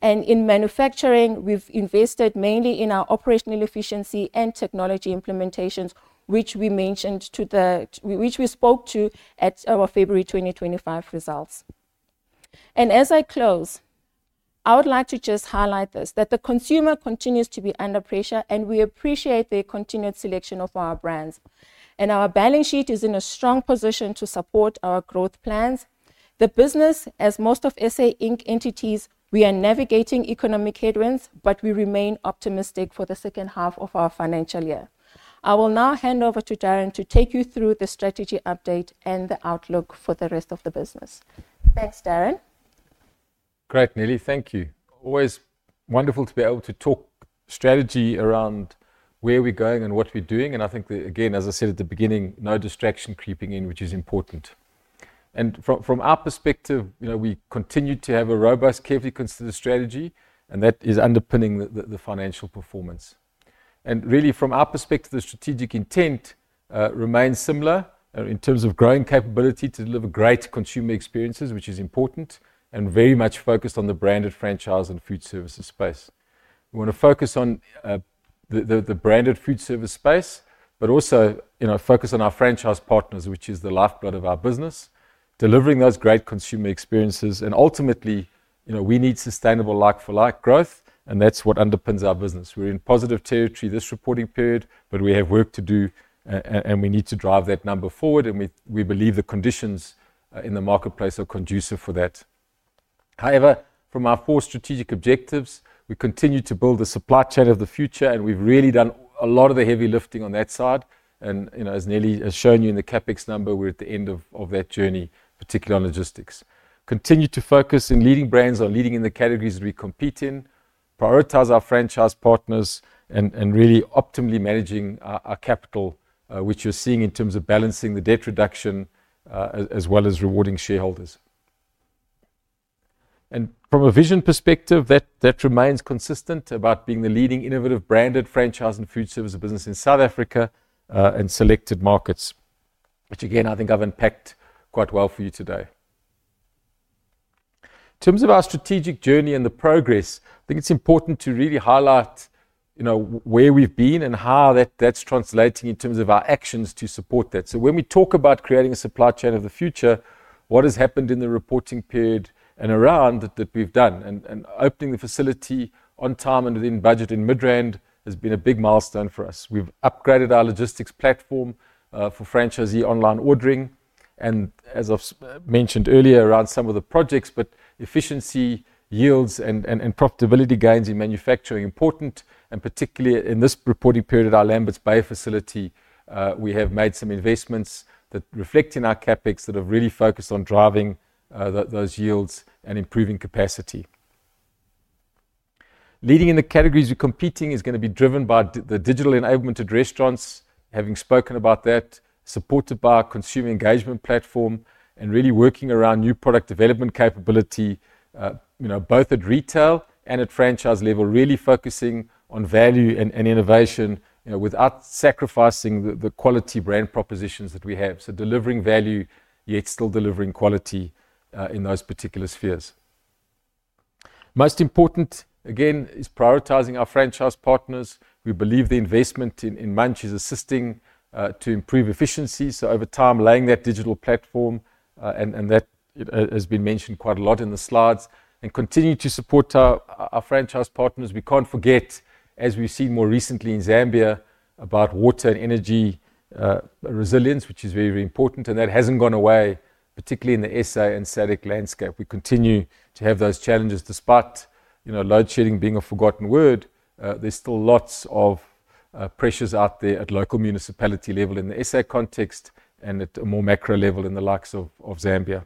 Speaker 2: In manufacturing, we've invested mainly in our operational efficiency and technology implementations, which we spoke to at our February 2025 results. As I close, I would like to just highlight this, that the consumer continues to be under pressure, and we appreciate their continued selection of our brands. Our balance sheet is in a strong position to support our growth plans. The business, as most of SA Inc. entities, we are navigating economic headwinds, but we remain optimistic for the second half of our financial year. I will now hand over to Darren to take you through the strategy update and the outlook for the rest of the business. Thanks, Darren.
Speaker 1: Great, Neli. Thank you. Always wonderful to be able to talk strategy around where we're going and what we're doing. I think that, again, as I said at the beginning, no distraction creeping in, which is important. From our perspective, we continue to have a robust, carefully considered strategy, and that is underpinning the financial performance. Really, from our perspective, the strategic intent remains similar in terms of growing capability to deliver great consumer experiences, which is important, and very much focused on the branded franchise and food services space. We want to focus on the branded food service space, but also focus on our franchise partners, which is the lifeblood of our business, delivering those great consumer experiences. Ultimately, we need sustainable like-for-like growth, and that's what underpins our business. We're in positive territory this reporting period, but we have work to do, and we need to drive that number forward, and we believe the conditions in the marketplace are conducive for that. However, from our four strategic objectives, we continue to build the supply chain of the future, and we've really done a lot of the heavy lifting on that side. As Neli has shown you in the CapEx number, we're at the end of that journey, particularly on logistics. We continue to focus in leading brands on leading in the categories that we compete in, prioritize our franchise partners, and really optimally managing our capital, which you're seeing in terms of balancing the debt reduction as well as rewarding shareholders. From a vision perspective, that remains consistent about being the leading innovative branded franchise and food service business in South Africa and selected markets, which again I think I've unpacked quite well for you today. In terms of our strategic journey and the progress, I think it's important to really highlight where we've been and how that's translating in terms of our actions to support that. When we talk about creating a supply chain of the future, what has happened in the reporting period and around that we've done, and opening the facility on time and within budget in Midrand has been a big milestone for us. We've upgraded our logistics platform for franchisee online ordering, and as I've mentioned earlier around some of the projects, efficiency yields and profitability gains in manufacturing are important, and particularly in this reporting period at our Lambert's Bay facility, we have made some investments that reflect in our CapEx that have really focused on driving those yields and improving capacity. Leading in the categories we're competing is going to be driven by the digital enablement of restaurants, having spoken about that, supported by our consumer engagement platform, and really working around new product development capability, both at retail and at franchise level, really focusing on value and innovation without sacrificing the quality brand propositions that we have. Delivering value, yet still delivering quality in those particular spheres. Most important, again, is prioritizing our franchise partners. We believe the investment in Munch is assisting to improve efficiency, so over time, laying that digital platform, and that has been mentioned quite a lot in the slides, and continue to support our franchise partners. We can't forget, as we've seen more recently in Zambia, about water and energy resilience, which is very, very important, and that hasn't gone away, particularly in the SA and SADC landscape. We continue to have those challenges despite load shedding being a forgotten word. There are still lots of pressures out there at local municipality level in the South Africa context and at a more macro level in the likes of Zambia.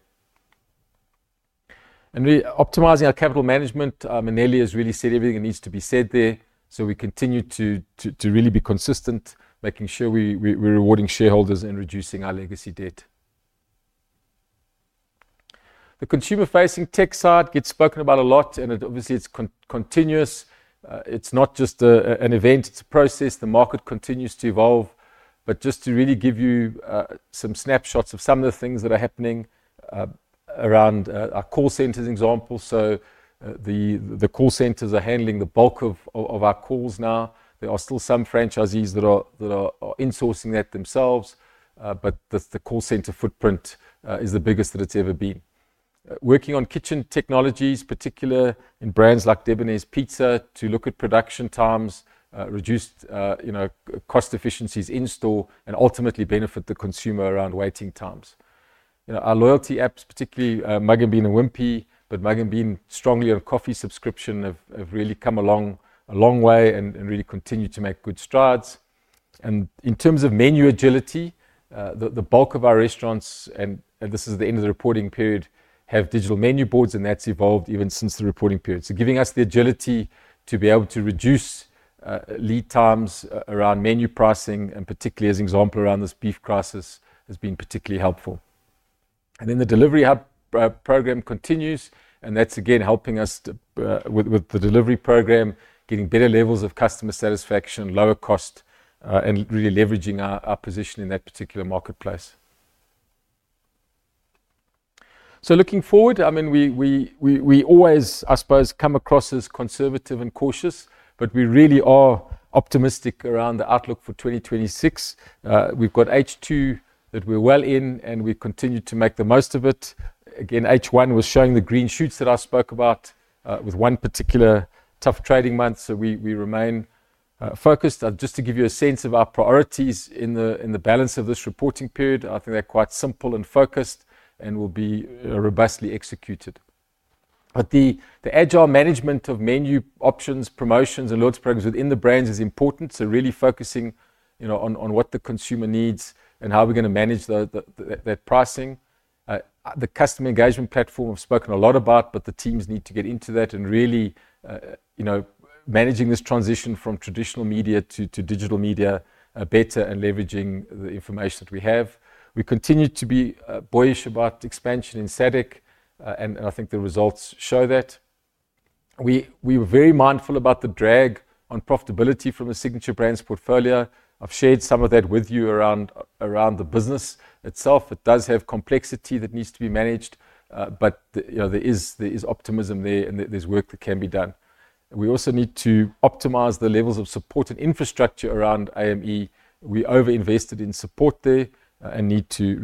Speaker 1: Really optimizing our capital management, and Neli has really said everything that needs to be said there, so we continue to really be consistent, making sure we're rewarding shareholders and reducing our legacy debt. The consumer-facing tech side gets spoken about a lot, and obviously it's continuous. It's not just an event, it's a process. The market continues to evolve, but just to really give you some snapshots of some of the things that are happening around our call centers example. The call centers are handling the bulk of our calls now. There are still some franchisees that are insourcing that themselves, but the call center footprint is the biggest that it's ever been. Working on kitchen technologies, particularly in brands like Debonairs Pizza, to look at production times, reduced cost efficiencies in store, and ultimately benefit the consumer around waiting times. Our loyalty apps, particularly Mugg & Bean and Wimpy, but Mugg & Bean strongly on coffee subscription, have really come a long way and really continue to make good strides. In terms of menu agility, the bulk of our restaurants, and this is the end of the reporting period, have digital menu boards, and that's evolved even since the reporting period. This gives us the agility to be able to reduce lead times around menu pricing, and particularly as an example around this beef crisis, has been particularly helpful. The delivery hub program continues, and that's again helping us with the delivery program, getting better levels of customer satisfaction, lower cost, and really leveraging our position in that particular marketplace. Looking forward, we always, I suppose, come across as conservative and cautious, but we really are optimistic around the outlook for 2026. We've got H2 that we're well in, and we continue to make the most of it. H1 was showing the green shoots that I spoke about with one particular tough trading month, so we remain focused. Just to give you a sense of our priorities in the balance of this reporting period, I think they're quite simple and focused and will be robustly executed. The agile management of menu options, promotions, and loads programs within the brands is important. Really focusing on what the consumer needs and how we're going to manage that pricing. The digital consumer engagement platform I've spoken a lot about, but the teams need to get into that and really managing this transition from traditional media to digital media better and leveraging the information that we have. We continue to be bullish about expansion in SADC, and I think the results show that. We were very mindful about the drag on profitability from a signature brands portfolio. I've shared some of that with you around the business itself. It does have complexity that needs to be managed, but there is optimism there, and there's work that can be done. We also need to optimize the levels of support and infrastructure around AME. We overinvested in support there and need to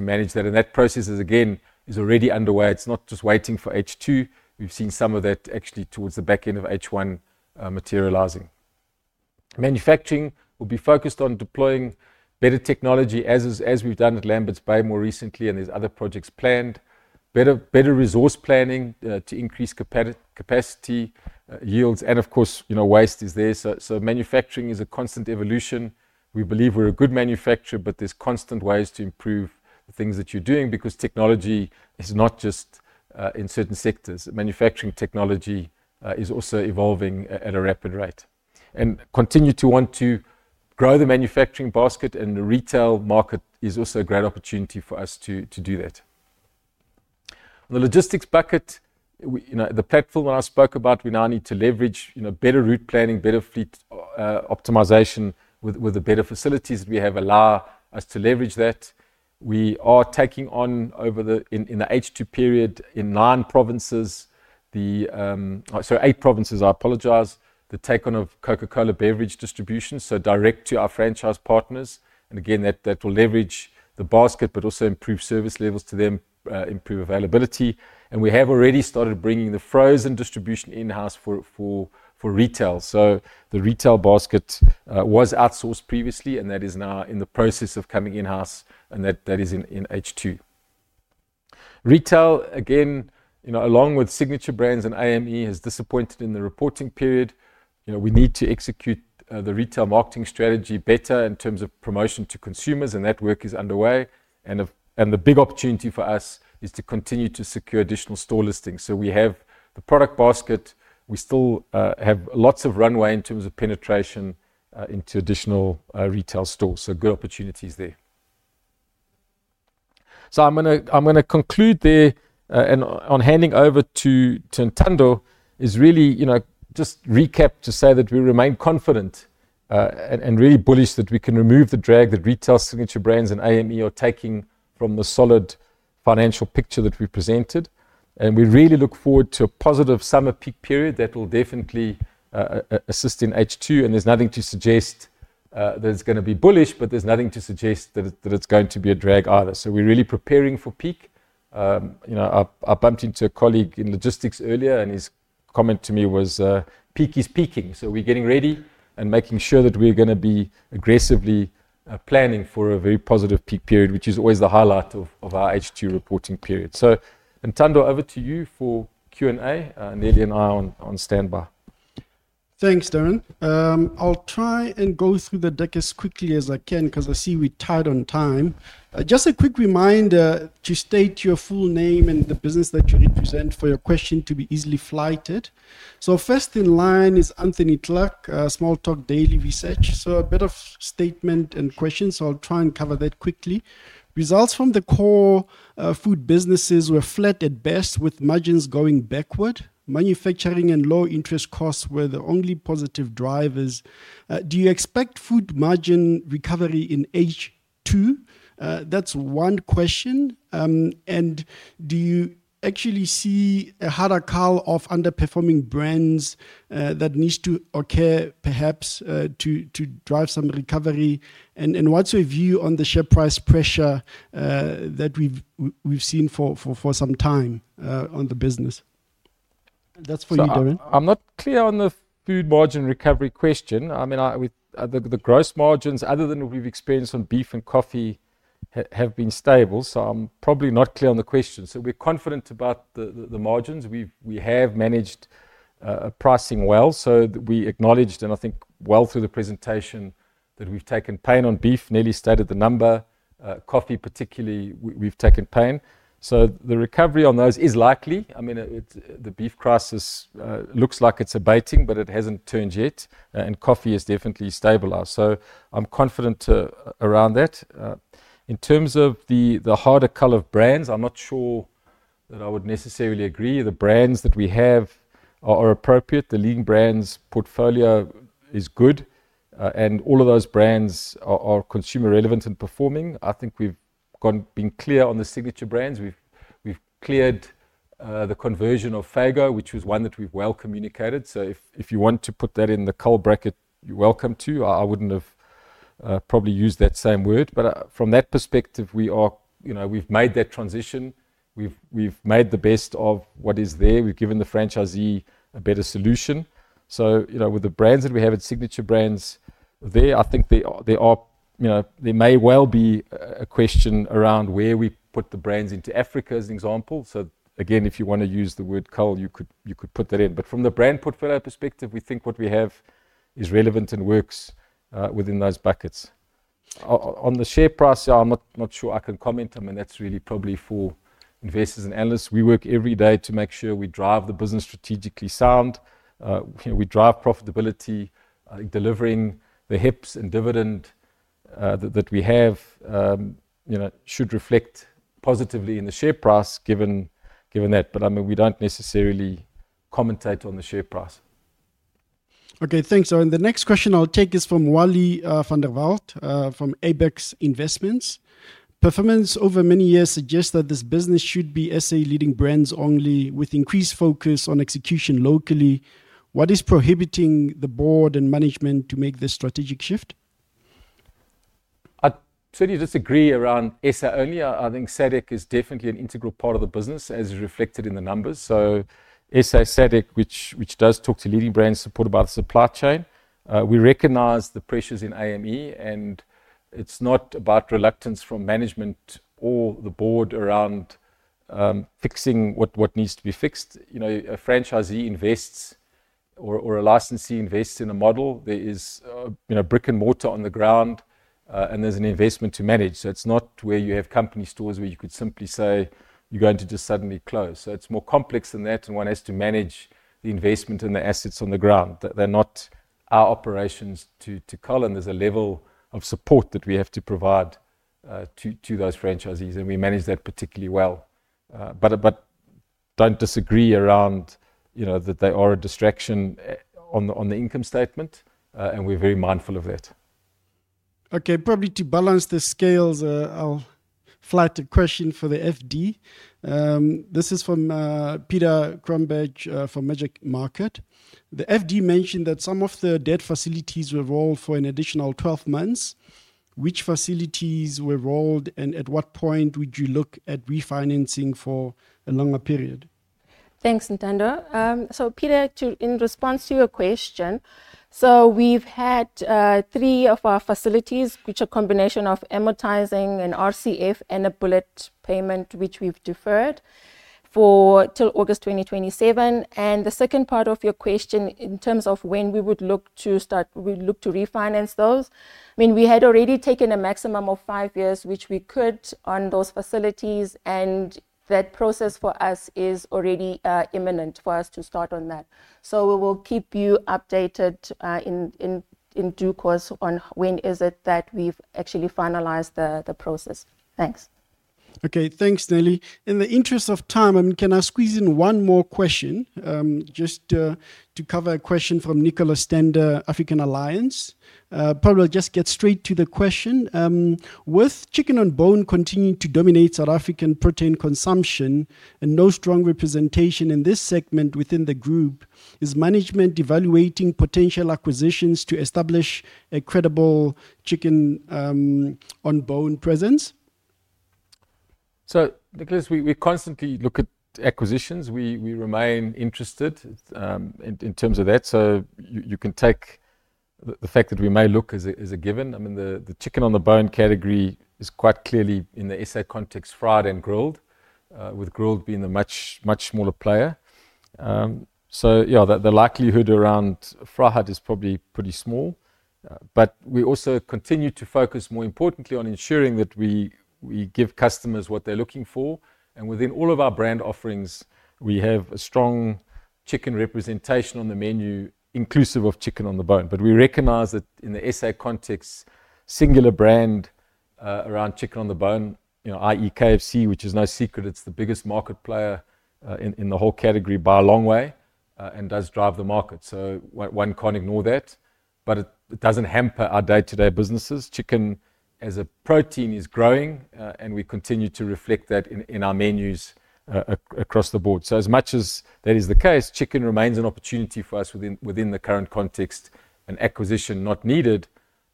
Speaker 1: manage that. That process, again, is already underway. It's not just waiting for H2. We've seen some of that actually towards the back end of H1 materializing. Manufacturing will be focused on deploying better technology as we've done at Lambert's Bayer more recently, and there's other projects planned. Better resource planning to increase capacity, yields, and of course, waste is there. Manufacturing is a constant evolution. We believe we're a good manufacturer, but there's constant ways to improve the things that you're doing because technology is not just in certain sectors. Manufacturing technology is also evolving at a rapid rate. We continue to want to grow the manufacturing basket, and the retail market is also a great opportunity for us to do that. On the logistics bucket, the platform I spoke about, we now need to leverage better route planning, better fleet optimization with the better facilities we have that allow us to leverage that. We are taking on over the H2 period in eight provinces. The take on of Coca-Cola beverage distribution, so direct to our franchise partners, will leverage the basket but also improve service levels to them and improve availability. We have already started bringing the frozen distribution in-house for retail. The retail basket was outsourced previously, and that is now in the process of coming in-house, and that is in H2. Retail, along with signature brands and AME, has disappointed in the reporting period. We need to execute the retail marketing strategy better in terms of promotion to consumers, and that work is underway. The big opportunity for us is to continue to secure additional store listings. We have the product basket. We still have lots of runway in terms of penetration into additional retail stores. Good opportunities there. I'm going to conclude there, and on handing over to Ntando, just to recap to say that we remain confident and really bullish that we can remove the drag that retail, signature brands, and AME are taking from the solid financial picture that we presented. We really look forward to a positive summer peak period that will definitely assist in H2. There's nothing to suggest that it's going to be bullish, but there's nothing to suggest that it's going to be a drag either. We're really preparing for peak. You know, I bumped into a colleague in logistics earlier, and his comment to me was, "Peak is peaking." We are getting ready and making sure that we're going to be aggressively planning for a very positive peak period, which is always the highlight of our H2 reporting period. Ntando, over to you for Q&A, and Neli and I on standby.
Speaker 3: Thanks, Darren. I'll try and go through the deck as quickly as I can because I see we're tight on time. Just a quick reminder to state your full name and the business that you represent for your question to be easily flighted. First in line is Anthony Tlaque, Small Daily Talk Research. A bit of statement and questions, I'll try and cover that quickly. Results from the core food businesses were flat at best, with margins going backward. Manufacturing and low interest costs were the only positive drivers. Do you expect food margin recovery in H2? That's one question. Do you actually see a harder call of underperforming brands that need to occur perhaps to drive some recovery? What's your view on the share price pressure that we've seen for some time on the business? That's for you, Darren.
Speaker 1: I'm not clear on the food margin recovery question. I mean, the gross margins, other than what we've experienced on beef and coffee, have been stable, so I'm probably not clear on the question. We're confident about the margins. We have managed pricing well, so we acknowledged, and I think well through the presentation, that we've taken pain on beef. Neli stated the number. Coffee particularly, we've taken pain. The recovery on those is likely. I mean, the beef crisis looks like it's abating, but it hasn't turned yet, and coffee has definitely stabilized. I'm confident around that. In terms of the harder cull of brands, I'm not sure that I would necessarily agree. The brands that we have are appropriate. The leading brands' portfolio is good, and all of those brands are consumer relevant and performing. I think we've been clear on the signature brands. We've cleared the conversion of Fago, which was one that we've well communicated. If you want to put that in the cull bracket, you're welcome to. I wouldn't have probably used that same word, but from that perspective, we've made that transition. We've made the best of what is there. We've given the franchisee a better solution. With the brands that we have at signature brands there, I think they are, you know, they may well be a question around where we put the brands into Africa as an example. Again, if you want to use the word cull, you could put that in. From the brand portfolio perspective, we think what we have is relevant and works within those buckets. On the share price, I'm not sure I can comment. I mean, that's really probably for investors and analysts. We work every day to make sure we drive the business strategically sound. We drive profitability. Delivering the HIPs and dividend that we have should reflect positively in the share price given that. I mean, we don't necessarily commentate on the share price.
Speaker 3: Okay, thanks. The next question I'll take is from Wally van der Waalt, from Abex Investments. Performance over many years suggests that this business should be SA leading brands only, with increased focus on execution locally. What is prohibiting the board and management to make this strategic shift?
Speaker 1: I totally disagree around South Africa earlier. I think SADC is definitely an integral part of the business, as reflected in the numbers. SA SADC, which does talk to leading brands, supported by the supply chain. We recognize the pressures in AME, and it's not about reluctance from management or the board around fixing what needs to be fixed. A franchisee invests or a licensee invests in a model. There is brick and mortar on the ground, and there's an investment to manage. It's not where you have company stores where you could simply say you're going to just suddenly close. It's more complex than that, and one has to manage the investment and the assets on the ground. They're not our operations to cull, and there's a level of support that we have to provide to those franchisees, and we manage that particularly well. I don't disagree around, you know, that they are a distraction on the income statement, and we're very mindful of that.
Speaker 3: Okay, probably to balance the scales, I'll flight a question for the FD. This is from Peter Crumberge from Magic Market. The FD mentioned that some of the debt facilities were rolled for an additional 12 months. Which facilities were rolled, and at what point would you look at refinancing for a longer period?
Speaker 2: Thanks, Ntando. Peter, in response to your question, we've had three of our facilities, which are a combination of amortizing and RCF and a bullet payment, which we've deferred till August 2027. The second part of your question in terms of when we would look to start, we would look to refinance those. We had already taken a maximum of five years, which we could on those facilities, and that process for us is already imminent for us to start on that. We will keep you updated in due course on when it is that we've actually finalized the process. Thanks.
Speaker 3: Okay, thanks, Neli. In the interest of time, can I squeeze in one more question just to cover a question from Nicolas Stender, African Alliance? Probably I'll just get straight to the question. With chicken on bone continuing to dominate South African protein consumption and no strong representation in this segment within the group, is management evaluating potential acquisitions to establish a credible chicken on bone presence?
Speaker 1: Nicholas, we constantly look at acquisitions. We remain interested in terms of that. You can take the fact that we may look is a given. I mean, the chicken on the bone category is quite clearly in the SA context fried and grilled, with grilled being a much smaller player. The likelihood around fried is probably pretty small, but we also continue to focus more importantly on ensuring that we give customers what they're looking for. Within all of our brand offerings, we have a strong chicken representation on the menu, inclusive of chicken on the bone. We recognize that in the South Africa context, singular brand around chicken on the bone, i.e. KFC, which is no secret, it's the biggest market player in the whole category by a long way and does drive the market. One can't ignore that, but it doesn't hamper our day-to-day businesses. Chicken as a protein is growing, and we continue to reflect that in our menus across the board. As much as that is the case, chicken remains an opportunity for us within the current context, an acquisition not needed,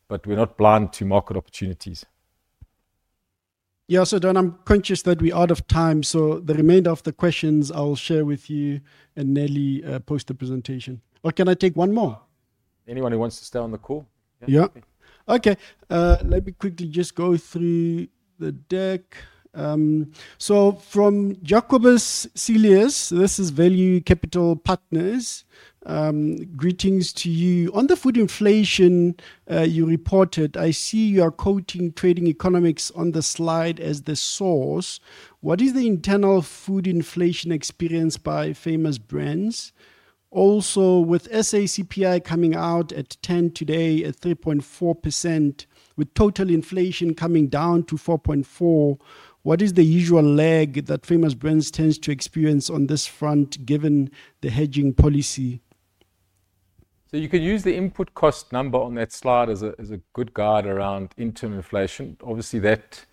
Speaker 1: but we're not blind to market opportunities.
Speaker 3: Yeah, Darren, I'm conscious that we're out of time, so the remainder of the questions I'll share with you and Neli post the presentation. Can I take one more?
Speaker 1: Anyone who wants to stay on the call?
Speaker 3: Yeah, okay. Let me quickly just go through the deck. From Jacobus Cilius, this is Value Capital Partners. Greetings to you. On the food inflation you reported, I see you're quoting Trading Economics on the slide as the source. What is the internal food inflation experienced by Famous Brands Ltd? Also, with SACPI coming out at 10 today at 3.4%, with total inflation coming down to 4.4%, what is the usual lag that Famous Brands tend to experience on this front given the hedging policy?
Speaker 1: You could use the input cost number on that slide as a good guide around interim inflation. Obviously, that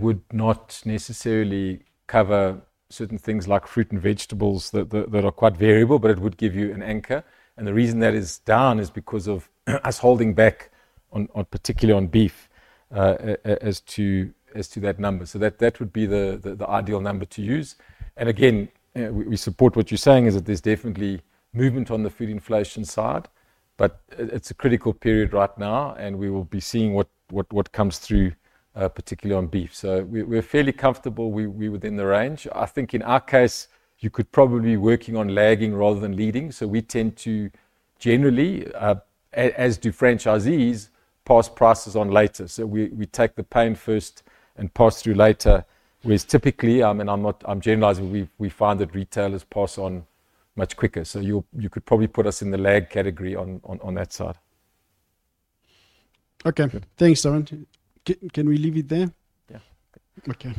Speaker 1: would not necessarily cover certain things like fruit and vegetables that are quite variable, but it would give you an anchor. The reason that is down is because of us holding back, particularly on beef, as to that number. That would be the ideal number to use. We support what you're saying, that there's definitely movement on the food inflation side, but it's a critical period right now, and we will be seeing what comes through, particularly on beef. We're fairly comfortable within the range. I think in our case, you could probably be working on lagging rather than leading. We tend to generally, as do franchisees, pass prices on later. We take the pain first and pass through later, whereas typically, I mean, I'm not generalizing, we find that retailers pass on much quicker. You could probably put us in the lag category on that side.
Speaker 3: Okay, thanks, Darren. Can we leave it there?
Speaker 1: Yeah, okay.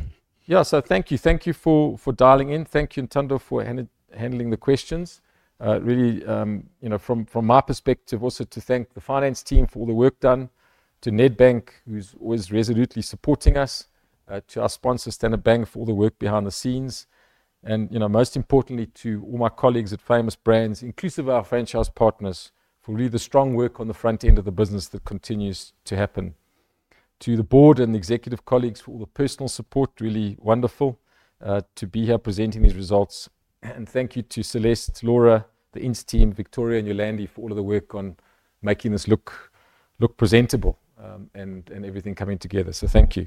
Speaker 1: Thank you. Thank you for dialing in. Thank you, Ntando, for handling the questions. Really, from my perspective, also to thank the finance team for all the work done, to Nedbank, who's always resolutely supporting us, to our sponsors down the bank for all the work behind the scenes, and, most importantly, to all my colleagues at Famous Brands, inclusive of our franchise partners, for really the strong work on the front end of the business that continues to happen. To the board and the executive colleagues for all the personal support, really wonderful to be here presenting these results. Thank you to Celeste, Laura, the Inns team, Victoria, and Yolande for all of the work on making this look presentable and everything coming together. Thank you.